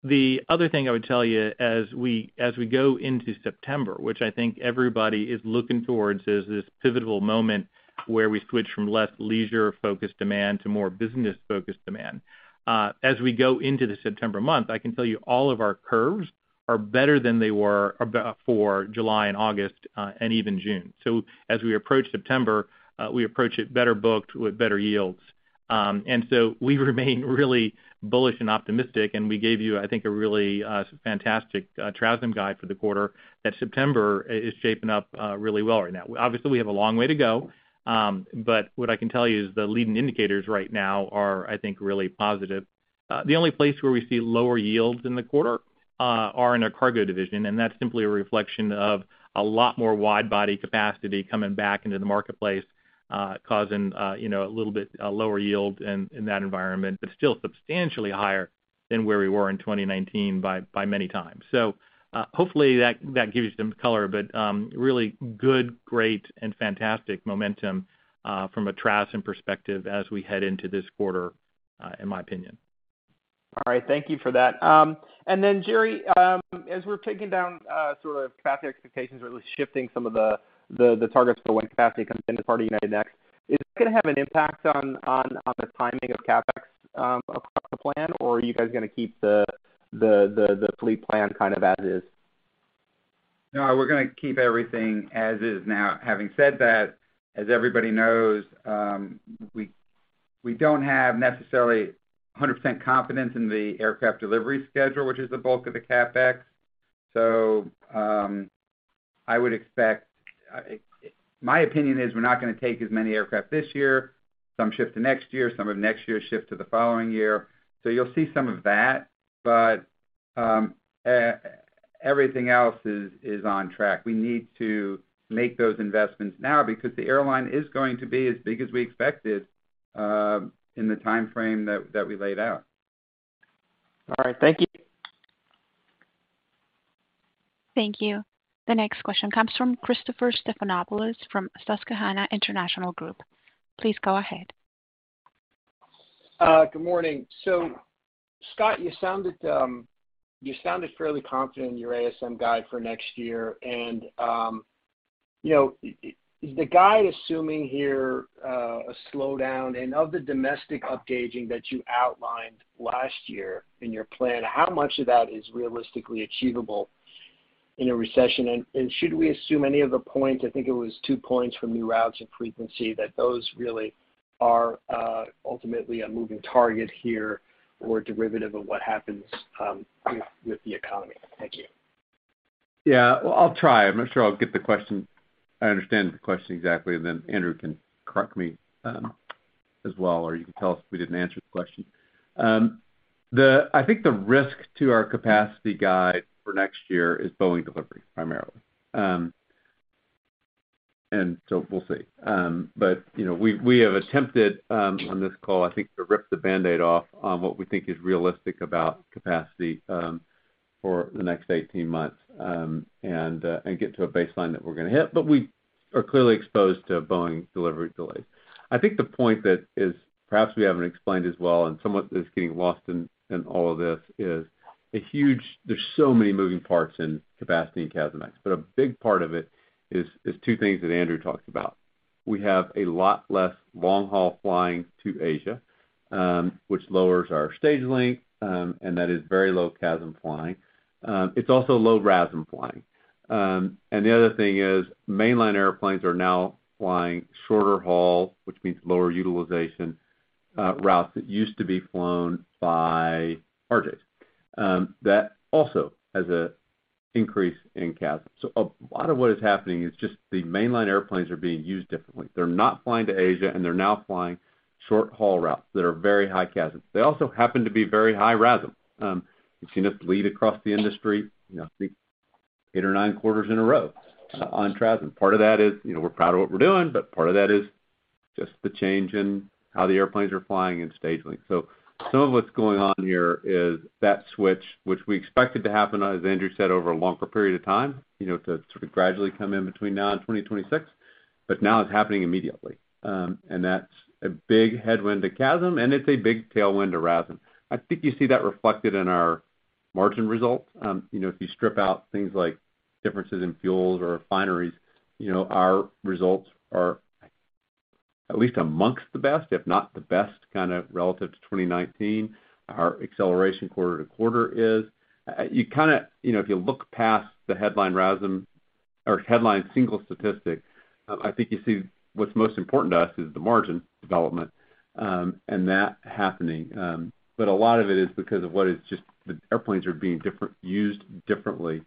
The other thing I would tell you, as we go into September, which I think everybody is looking towards, is this pivotal moment where we switch from less leisure-focused demand to more business-focused demand. As we go into the September month, I can tell you all of our curves are better than they were a year ago for July and August, and even June. As we approach September, we approach it better booked with better yields. We remain really bullish and optimistic, and we gave you, I think, a really fantastic TRASM guide for the quarter that September is shaping up really well right now. Obviously, we have a long way to go, but what I can tell you is the leading indicators right now are, I think, really positive. The only place where we see lower yields in the quarter are in our cargo division, and that's simply a reflection of a lot more wide-body capacity coming back into the marketplace, causing, you know, a little bit lower yield in that environment, but still substantially higher than where we were in 2019 by many times. Hopefully that gives you some color, but really good, great, and fantastic momentum from a TRASM perspective as we head into this quarter, in my opinion. All right. Thank you for that. Gerry, as we're taking down sort of capacity expectations or at least shifting some of the targets for when capacity comes into play United Next, is it gonna have an impact on the timing of CapEx across the plan, or are you guys gonna keep the fleet plan kind of as is? No, we're gonna keep everything as is. Now, having said that, as everybody knows, we don't have necessarily 100% confidence in the aircraft delivery schedule, which is the bulk of the CapEx. So, I would expect, my opinion is we're not gonna take as many aircraft this year, some shift to next year, some of next year shift to the following year. You'll see some of that, but everything else is on track. We need to make those investments now because the airline is going to be as big as we expected in the timeframe that we laid out. All right. Thank you. Thank you. The next question comes from Christopher Stathoulopoulos from Susquehanna International Group. Please go ahead. Good morning. Scott, you sounded fairly confident in your ASM guide for next year. You know, is the guide assuming here a slowdown? Of the domestic upgauging that you outlined last year in your plan, how much of that is realistically achievable in a recession? Should we assume any of the points, I think it was two points from new routes and frequency, that those really are ultimately a moving target here or derivative of what happens with the economy? Thank you. Yeah. Well, I'll try. I understand the question exactly, and then Andrew can correct me, as well, or you can tell us if we didn't answer the question. I think the risk to our capacity guide for next year is Boeing delivery, primarily. We'll see. You know, we have attempted, on this call, I think, to rip the Band-Aid off on what we think is realistic about capacity, for the next 18 months, and get to a baseline that we're gonna hit. We are clearly exposed to Boeing delivery delays. I think the point that perhaps we haven't explained as well and somewhat is getting lost in all of this is a huge—there's so many moving parts in capacity and CASM-ex. A big part of it is two things that Andrew talked about. We have a lot less long-haul flying to Asia, which lowers our stage length, and that is very low CASM flying. It's also low RASM flying. The other thing is, mainline airplanes are now flying shorter haul, which means lower utilization, routes that used to be flown by RJs. That also has an increase in CASM. A lot of what is happening is just the mainline airplanes are being used differently. They're not flying to Asia, and they're now flying short-haul routes that are very high CASM. They also happen to be very high RASM. You've seen us lead across the industry, you know, I think eight or nine quarters in a row on TRASM. Part of that is, you know, we're proud of what we're doing, but part of that is just the change in how the airplanes are flying and stage length. Some of what's going on here is that switch, which we expected to happen, as Andrew said, over a longer period of time, you know, to sort of gradually come in between now and 2026, but now it's happening immediately. And that's a big headwind to CASM, and it's a big tailwind to RASM. I think you see that reflected in our margin results. You know, if you strip out things like differences in fuels or refineries, you know, our results are at least amongst the best, if not the best, kind of relative to 2019. Our acceleration quarter to quarter is... You kinda, you know, if you look past the headline RASM or headline single statistic, I think you see what's most important to us is the margin development, and that happening. A lot of it is because of what is just the airplanes are being used differently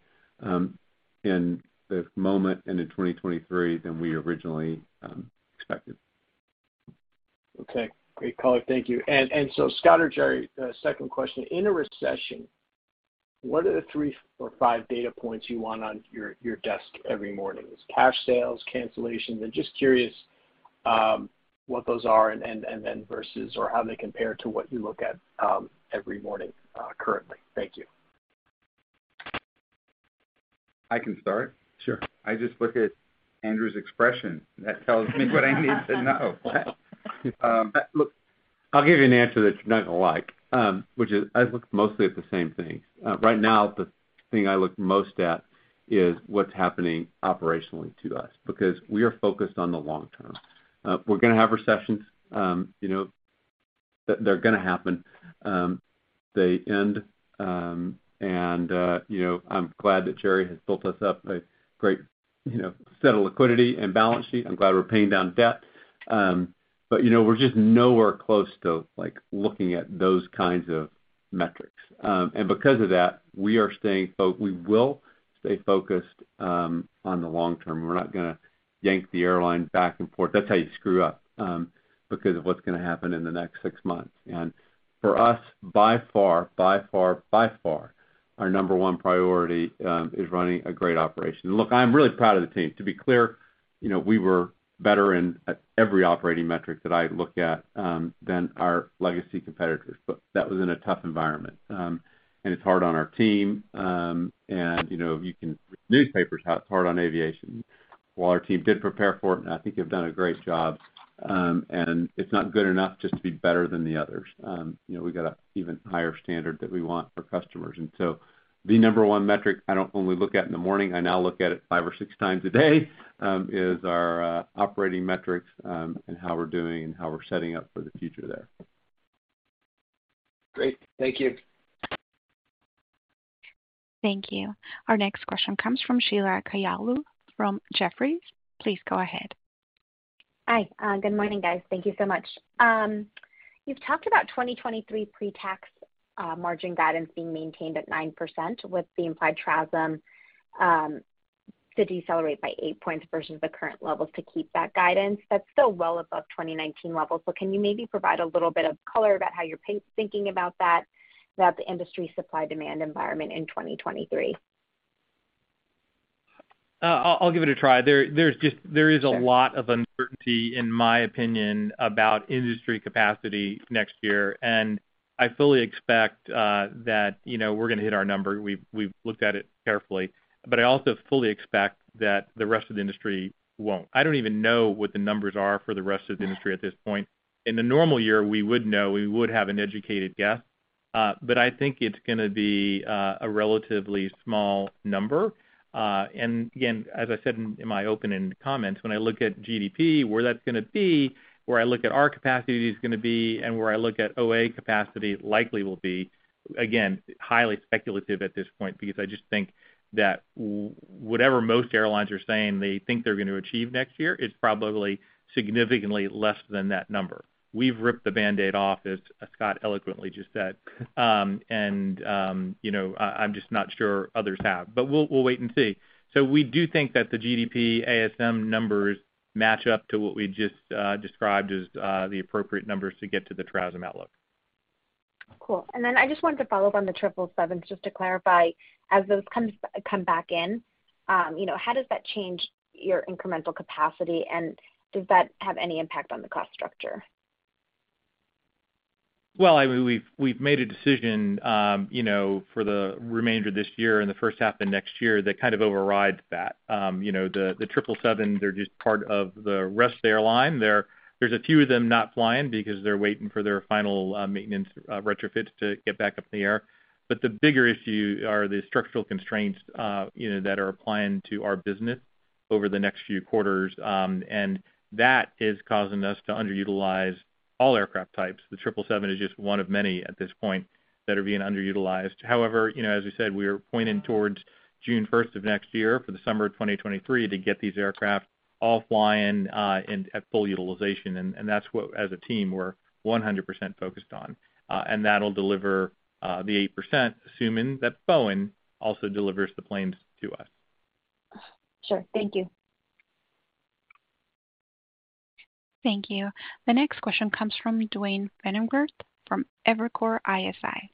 in this moment and in 2023 than we originally expected. Okay. Great color. Thank you. Scott or Gerry, second question. In a recession, what are the three or five data points you want on your desk every morning? Is it cash sales, cancellations? I'm just curious, what those are and then versus or how they compare to what you look at every morning currently. Thank you. I can start. Sure. I just look at Andrew's expression. That tells me what I need to know. Look, I'll give you an answer that you're not gonna like, which is I look mostly at the same things. Right now, the thing I look most at is what's happening operationally to us, because we are focused on the long term. We're gonna have recessions. You know, they're gonna happen. They end, and you know, I'm glad that Gerry has built us up a great, you know, set of liquidity and balance sheet. I'm glad we're paying down debt. You know, we're just nowhere close to, like, looking at those kinds of metrics. Because of that, we will stay focused on the long term. We're not gonna yank the airline back and forth. That's how you screw up, because of what's gonna happen in the next six months. For us, by far, our number one priority is running a great operation. Look, I'm really proud of the team. To be clear, you know, we were better in at every operating metric that I look at than our legacy competitors, but that was in a tough environment. It's hard on our team, and you know, if you can read newspapers, how it's hard on aviation. While our team did prepare for it, and I think they've done a great job, and it's not good enough just to be better than the others. You know, we've got an even higher standard that we want for customers. The number one metric I don't only look at in the morning, I now look at it five or six times a day, is our operating metrics, and how we're doing and how we're setting up for the future there. Great. Thank you. Thank you. Our next question comes from Sheila Kahyaoglu from Jefferies. Please go ahead. Hi, good morning, guys. Thank you so much. You've talked about 2023 pre-tax margin guidance being maintained at 9% with the implied TRASM to decelerate by 8 points versus the current levels to keep that guidance. That's still well above 2019 levels. Can you maybe provide a little bit of color about how you're thinking about that, about the industry supply demand environment in 2023? I'll give it a try. There is a lot of uncertainty, in my opinion, about industry capacity next year. I fully expect that, you know, we're gonna hit our number. We've looked at it carefully, but I also fully expect that the rest of the industry won't. I don't even know what the numbers are for the rest of the industry at this point. In a normal year, we would know, we would have an educated guess, but I think it's gonna be a relatively small number. Again, as I said in my opening comments, when I look at GDP, where that's gonna be, where I look at our capacity is gonna be, and where I look at OA capacity likely will be, again, highly speculative at this point, because I just think that whatever most airlines are saying they think they're gonna achieve next year is probably significantly less than that number. We've ripped the Band-Aid off, as Scott eloquently just said. You know, I'm just not sure others have. We'll wait and see. We do think that the GDP ASM numbers match up to what we just described as the appropriate numbers to get to the TRASM outlook. Cool. I just wanted to follow up on the triple sevens, just to clarify, as those come back in, you know, how does that change your incremental capacity, and does that have any impact on the cost structure? Well, I mean, we've made a decision, you know, for the remainder of this year and the first half of next year that kind of overrides that. You know, the triple seven, they're just part of the rest of the airline. They're just part of the rest of the airline. There's a few of them not flying because they're waiting for their final maintenance retrofits to get back up in the air. But the bigger issue are the structural constraints, you know, that are applying to our business over the next few quarters, and that is causing us to underutilize all aircraft types. The triple seven is just one of many at this point that are being underutilized. However, you know, as we said, we are pointing towards June first of next year for the summer of 2023 to get these aircraft all flying, and at full utilization, and that's what, as a team, we're 100% focused on. That'll deliver the 8%, assuming that Boeing also delivers the planes to us. Sure. Thank you. Thank you. The next question comes from Duane Pfennigwerth from Evercore ISI.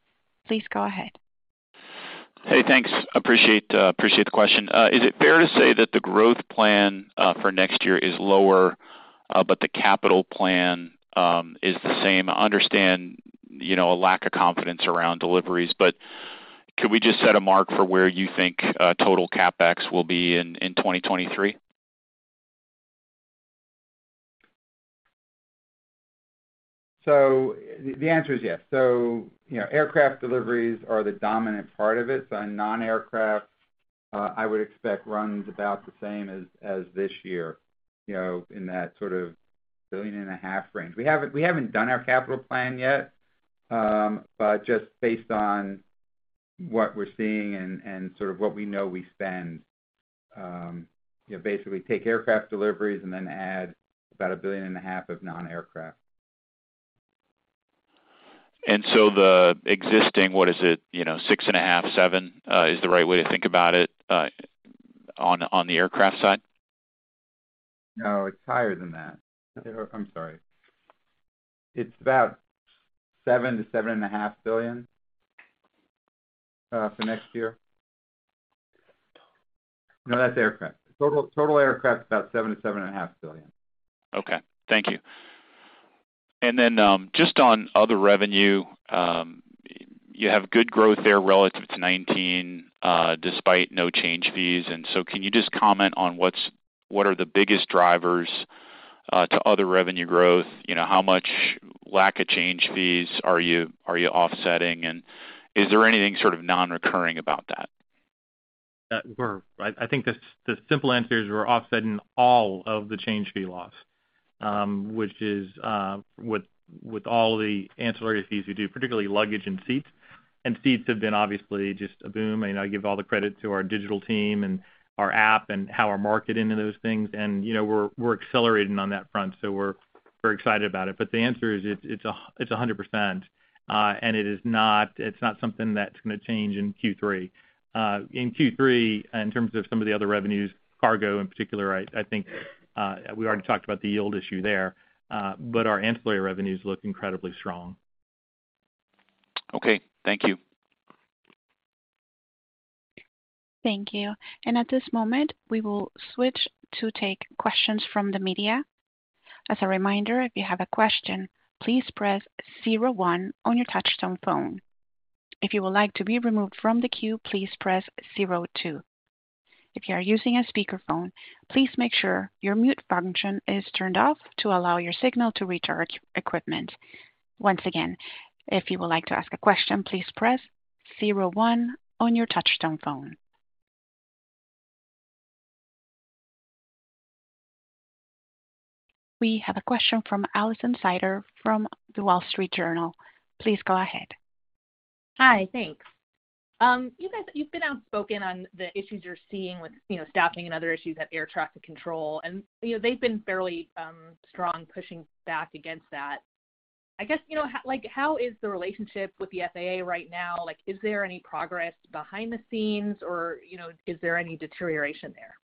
Please go ahead. Hey, thanks. Appreciate the question. Is it fair to say that the growth plan for next year is lower, but the capital plan is the same? I understand, you know, a lack of confidence around deliveries, but could we just set a mark for where you think total CapEx will be in 2023? The answer is yes. You know, aircraft deliveries are the dominant part of it, so non-aircraft I would expect runs about the same as this year, you know, in that sort of $1.5 billion range. We haven't done our capital plan yet, but just based on what we're seeing and sort of what we know we spend, you know, basically take aircraft deliveries and then add about $1.5 billion of non-aircraft. The existing, what is it, you know, $6.5 billion, $7 billion, is the right way to think about it, on the aircraft side? No, it's higher than that. I'm sorry. It's about $7 billion to $7.5 billion for next year. No, that's aircraft. Total aircraft is about $7 billion to $7.5 billion. Okay. Thank you. Just on other revenue, you have good growth there relative to 2019, despite no change fees. Can you just comment on what are the biggest drivers to other revenue growth? You know, how much lack of change fees are you offsetting, and is there anything sort of non-recurring about that? I think the simple answer is we're offsetting all of the change fee loss with all the ancillary fees we do, particularly luggage and seats. Seats have been obviously just a boom, and I give all the credit to our digital team and our app and how we're marketing those things. You know, we're accelerating on that front, so we're very excited about it. The answer is it's 100%, and it is not something that's gonna change in Q3. In Q3, in terms of some of the other revenues, cargo in particular, I think we already talked about the yield issue there, but our ancillary revenues look incredibly strong. Okay. Thank you. Thank you. At this moment, we will switch to take questions from the media. As a reminder, if you have a question, please press zero one on your touchtone phone. If you would like to be removed from the queue, please press zero two. If you are using a speakerphone, please make sure your mute function is turned off to allow your signal to reach our equipment. Once again, if you would like to ask a question, please press zero one on your touchtone phone. We have a question from Alison Sider from The Wall Street Journal. Please go ahead. Hi, thanks. You guys, you've been outspoken on the issues you're seeing with, you know, staffing and other issues at air traffic control, and, you know, they've been fairly strong pushing back against that. I guess, you know, how is the relationship with the FAA right now? Like, is there any progress behind the scenes or, you know, is there any deterioration there?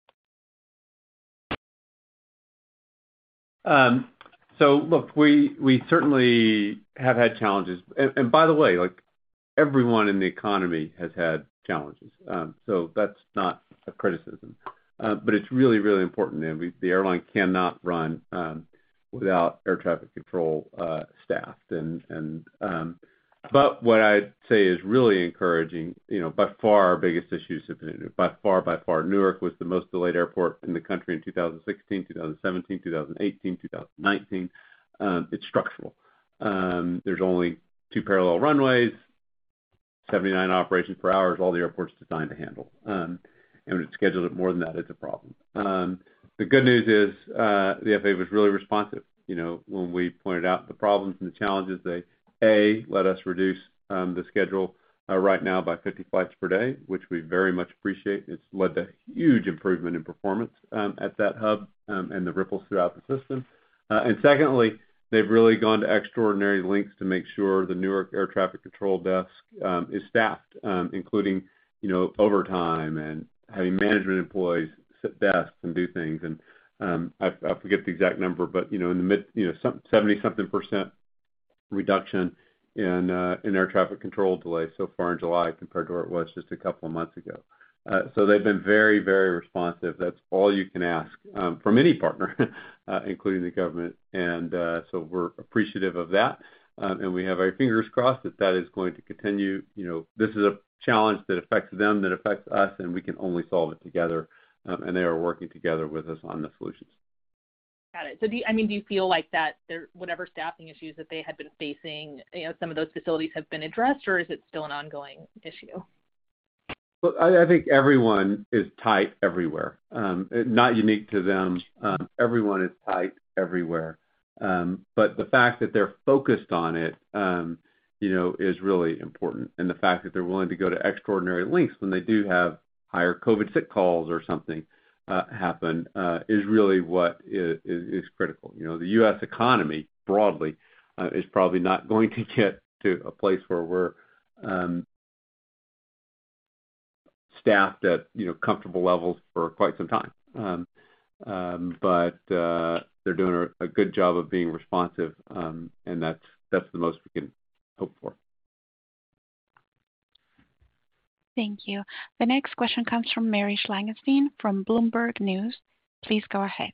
Look, we certainly have had challenges. By the way, like, everyone in the economy has had challenges. That's not a criticism. It's really important, and we the airline cannot run without air traffic control staffed. What I'd say is really encouraging, you know, by far our biggest issues have been, Newark was the most delayed airport in the country in 2016, 2017, 2018, 2019. It's structural. There's only two parallel runways, 79 operations per hour is all the airport's designed to handle. And when it schedules at more than that, it's a problem. The good news is, the FAA was really responsive, you know, when we pointed out the problems and the challenges. They let us reduce the schedule right now by 50 flights per day, which we very much appreciate. It's led to huge improvement in performance at that hub and it ripples throughout the system. Secondly, they've really gone to extraordinary lengths to make sure the Newark air traffic control desk is staffed, including you know overtime and having management employees sit desks and do things. I forget the exact number, but you know some 70-something% reduction in air traffic control delays so far in July compared to where it was just a couple of months ago. They've been very, very responsive. That's all you can ask from any partner including the government. We're appreciative of that. We have our fingers crossed that that is going to continue. You know, this is a challenge that affects them, that affects us, and we can only solve it together. They are working together with us on the solutions. Got it. I mean, do you feel like that there, whatever staffing issues that they had been facing, you know, some of those facilities have been addressed, or is it still an ongoing issue? Look, I think everyone is tight everywhere. Not unique to them. The fact that they're focused on it, you know, is really important. The fact that they're willing to go to extraordinary lengths when they do have higher COVID sick calls or something happen is really what is critical. You know, the U.S. economy broadly is probably not going to get to a place where we're staffed at, you know, comfortable levels for quite some time. They're doing a good job of being responsive, and that's the most we can hope for. Thank you. The next question comes from Mary Schlangenstein from Bloomberg News. Please go ahead.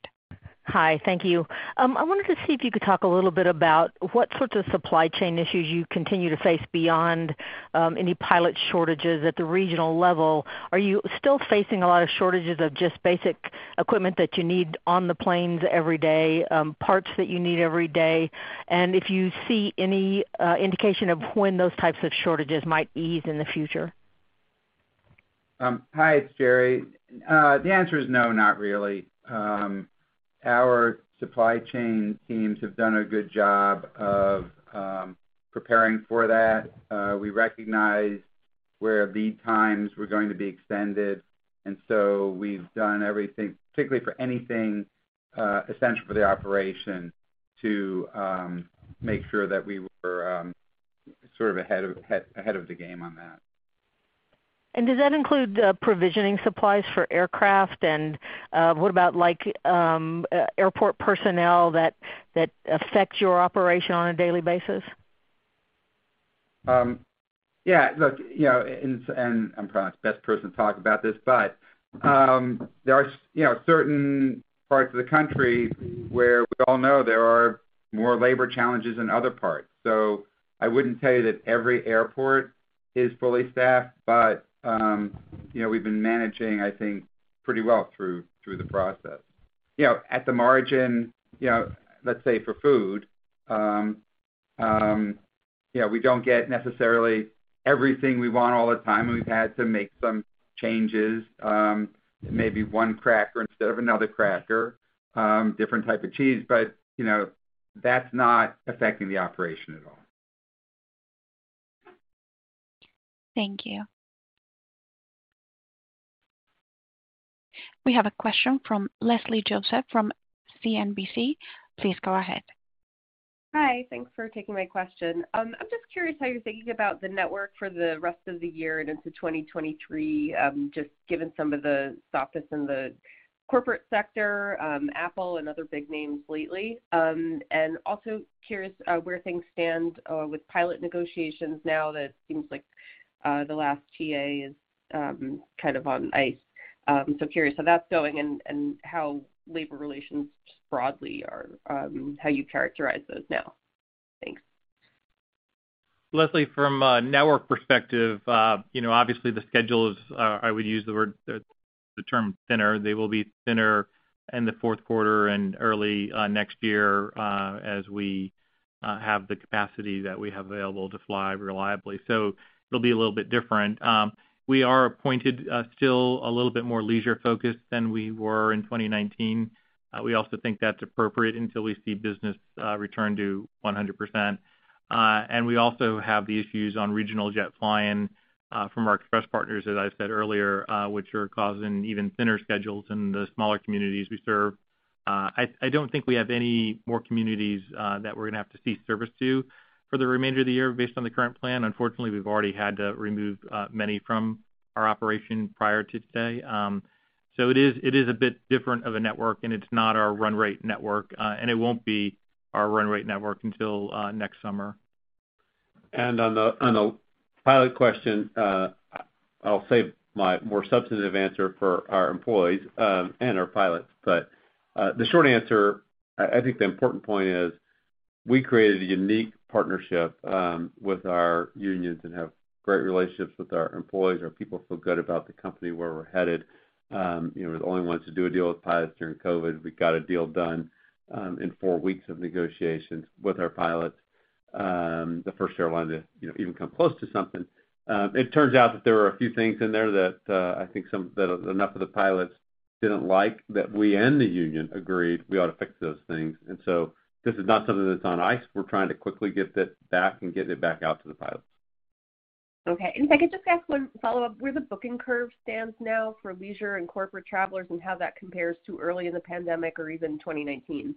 Hi. Thank you. I wanted to see if you could talk a little bit about what sorts of supply chain issues you continue to face beyond any pilot shortages at the regional level. Are you still facing a lot of shortages of just basic equipment that you need on the planes every day, parts that you need every day, and if you see any indication of when those types of shortages might ease in the future? Hi, it's Gerry. The answer is no, not really. Our supply chain teams have done a good job of preparing for that. We recognized where lead times were going to be extended, and so we've done everything, particularly for anything essential for the operation to make sure that we were sort of ahead of the game on that. Does that include provisioning supplies for aircraft and what about, like, airport personnel that affects your operation on a daily basis? Yeah, look, you know, I'm probably not the best person to talk about this, but there are certain parts of the country where we all know there are more labor challenges than other parts. I wouldn't tell you that every airport is fully staffed, but you know, we've been managing, I think, pretty well through the process. You know, at the margin, you know, let's say for food, you know, we don't get necessarily everything we want all the time, and we've had to make some changes, maybe one cracker instead of another cracker, different type of cheese. You know, that's not affecting the operation at all. Thank you. We have a question from Leslie Josephs from CNBC. Please go ahead. Hi. Thanks for taking my question. I'm just curious how you're thinking about the network for the rest of the year and into 2023, just given some of the softness in the corporate sector, Apple and other big names lately. Also curious where things stand with pilot negotiations now that it seems like the last TA is kind of on ice. Curious how that's going and how labor relations broadly are, how you characterize those now. Thanks. Leslie, from a network perspective, you know, obviously the schedule is, I would use the word, the term thinner. They will be thinner in the fourth quarter and early next year, as we have the capacity that we have available to fly reliably. It'll be a little bit different. We are positioned still a little bit more leisure-focused than we were in 2019. We also think that's appropriate until we see business return to 100%. We also have the issues on regional jet flying from our express partners, as I said earlier, which are causing even thinner schedules in the smaller communities we serve. I don't think we have any more communities that we're gonna have to cease service to for the remainder of the year based on the current plan. Unfortunately, we've already had to remove many from our operation prior to today. It is a bit different of a network, and it's not our run rate network, and it won't be our run rate network until next summer. On the pilot question, I'll save my more substantive answer for our employees and our pilots. The short answer, I think the important point is we created a unique partnership with our unions and have great relationships with our employees. Our people feel good about the company, where we're headed, you know, we're the only ones to do a deal with pilots during COVID. We got a deal done in four weeks of negotiations with our pilots, the first airline to, you know, even come close to something. It turns out that there were a few things in there that I think that enough of the pilots didn't like, that we and the union agreed we ought to fix those things. This is not something that's on ice. We're trying to quickly get that back and get it back out to the pilots. Okay. If I could just ask one follow-up, where the booking curve stands now for leisure and corporate travelers, and how that compares to early in the pandemic or even 2019?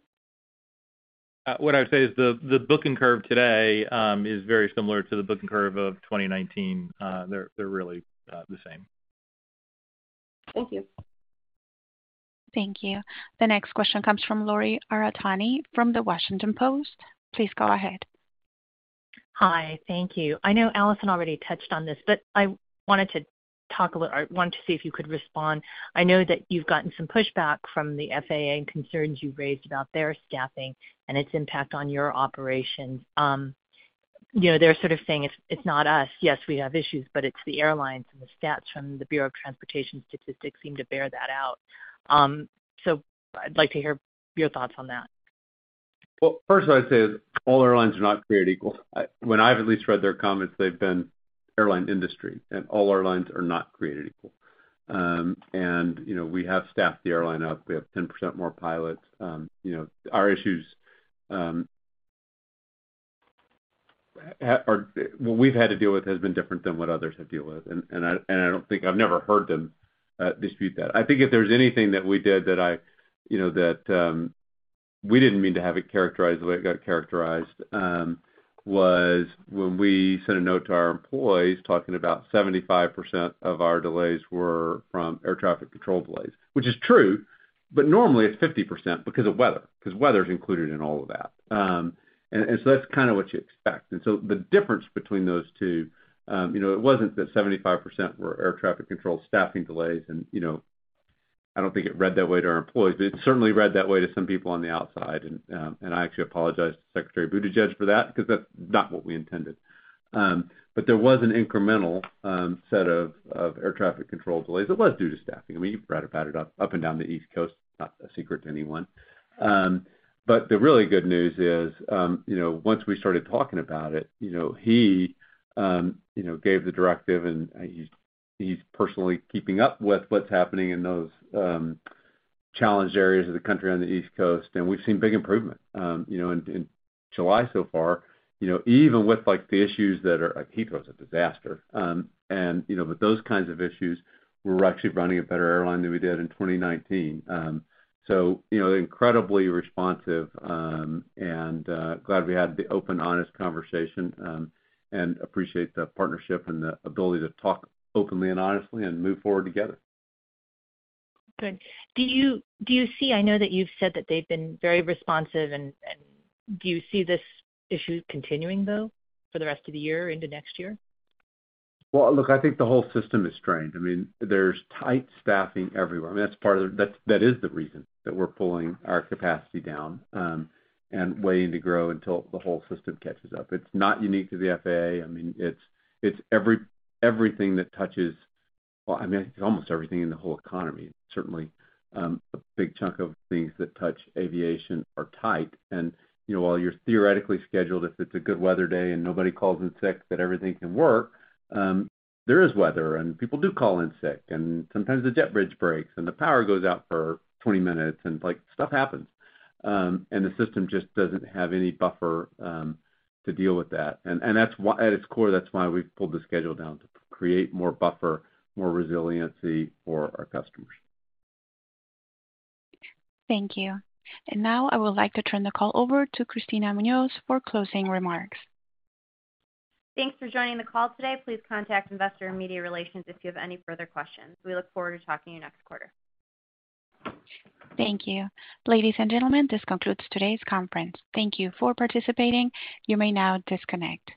What I'd say is the booking curve today is very similar to the booking curve of 2019. They're really the same. Thank you. Thank you. The next question comes from Lori Aratani from The Washington Post. Please go ahead. Hi. Thank you. I know Alison already touched on this, but I wanted to see if you could respond. I know that you've gotten some pushback from the FAA and concerns you've raised about their staffing and its impact on your operations. You know, they're sort of saying it's not us. Yes, we have issues, but it's the airlines, and the stats from the Bureau of Transportation Statistics seem to bear that out. I'd like to hear your thoughts on that. Well, first I'd say all airlines are not created equal. When I've at least read their comments, they've been airline industry, and all airlines are not created equal. You know, we have staffed the airline up. We have 10% more pilots. You know, our issues or what we've had to deal with has been different than what others have dealt with. I don't think I've never heard them dispute that. I think if there's anything that we did that I, you know, that we didn't mean to have it characterized the way it got characterized was when we sent a note to our employees talking about 75% of our delays were from air traffic control delays, which is true, but normally it's 50% because of weather, because weather's included in all of that. That's kind of what you expect. The difference between those two, you know, it wasn't that 75% were air traffic control staffing delays and, you know, I don't think it read that way to our employees, but it certainly read that way to some people on the outside. I actually apologized to Secretary Buttigieg for that because that's not what we intended. There was an incremental set of air traffic control delays that was due to staffing. I mean, you've read about it up and down the East Coast, not a secret to anyone. The really good news is, you know, once we started talking about it, you know, he you know gave the directive, and he's personally keeping up with what's happening in those challenged areas of the country on the East Coast, and we've seen big improvement, you know, in July so far. You know, even with like the issues that are at Heathrow, it's a disaster. You know, those kinds of issues, we're actually running a better airline than we did in 2019. You know, incredibly responsive, and glad we had the open, honest conversation, and appreciate the partnership and the ability to talk openly and honestly and move forward together. Good. I know that you've said that they've been very responsive and do you see this issue continuing though for the rest of the year or into next year? Well, look, I think the whole system is strained. I mean, there's tight staffing everywhere. I mean, that's part of that is the reason that we're pulling our capacity down and waiting to grow until the whole system catches up. It's not unique to the FAA. I mean, it's everything that touches, well, I mean, it's almost everything in the whole economy. Certainly, a big chunk of things that touch aviation are tight. You know, while you're theoretically scheduled, if it's a good weather day and nobody calls in sick, that everything can work, there is weather, and people do call in sick, and sometimes the jet bridge breaks and the power goes out for 20 minutes and like, stuff happens. The system just doesn't have any buffer to deal with that. that's why, at its core, that's why we've pulled the schedule down to create more buffer, more resiliency for our customers. Thank you. Now I would like to turn the call over to Kristina Munoz for closing remarks. Thanks for joining the call today. Please contact Investor and Media Relations if you have any further questions. We look forward to talking to you next quarter. Thank you. Ladies and gentlemen, this concludes today's conference. Thank you for participating. You may now disconnect.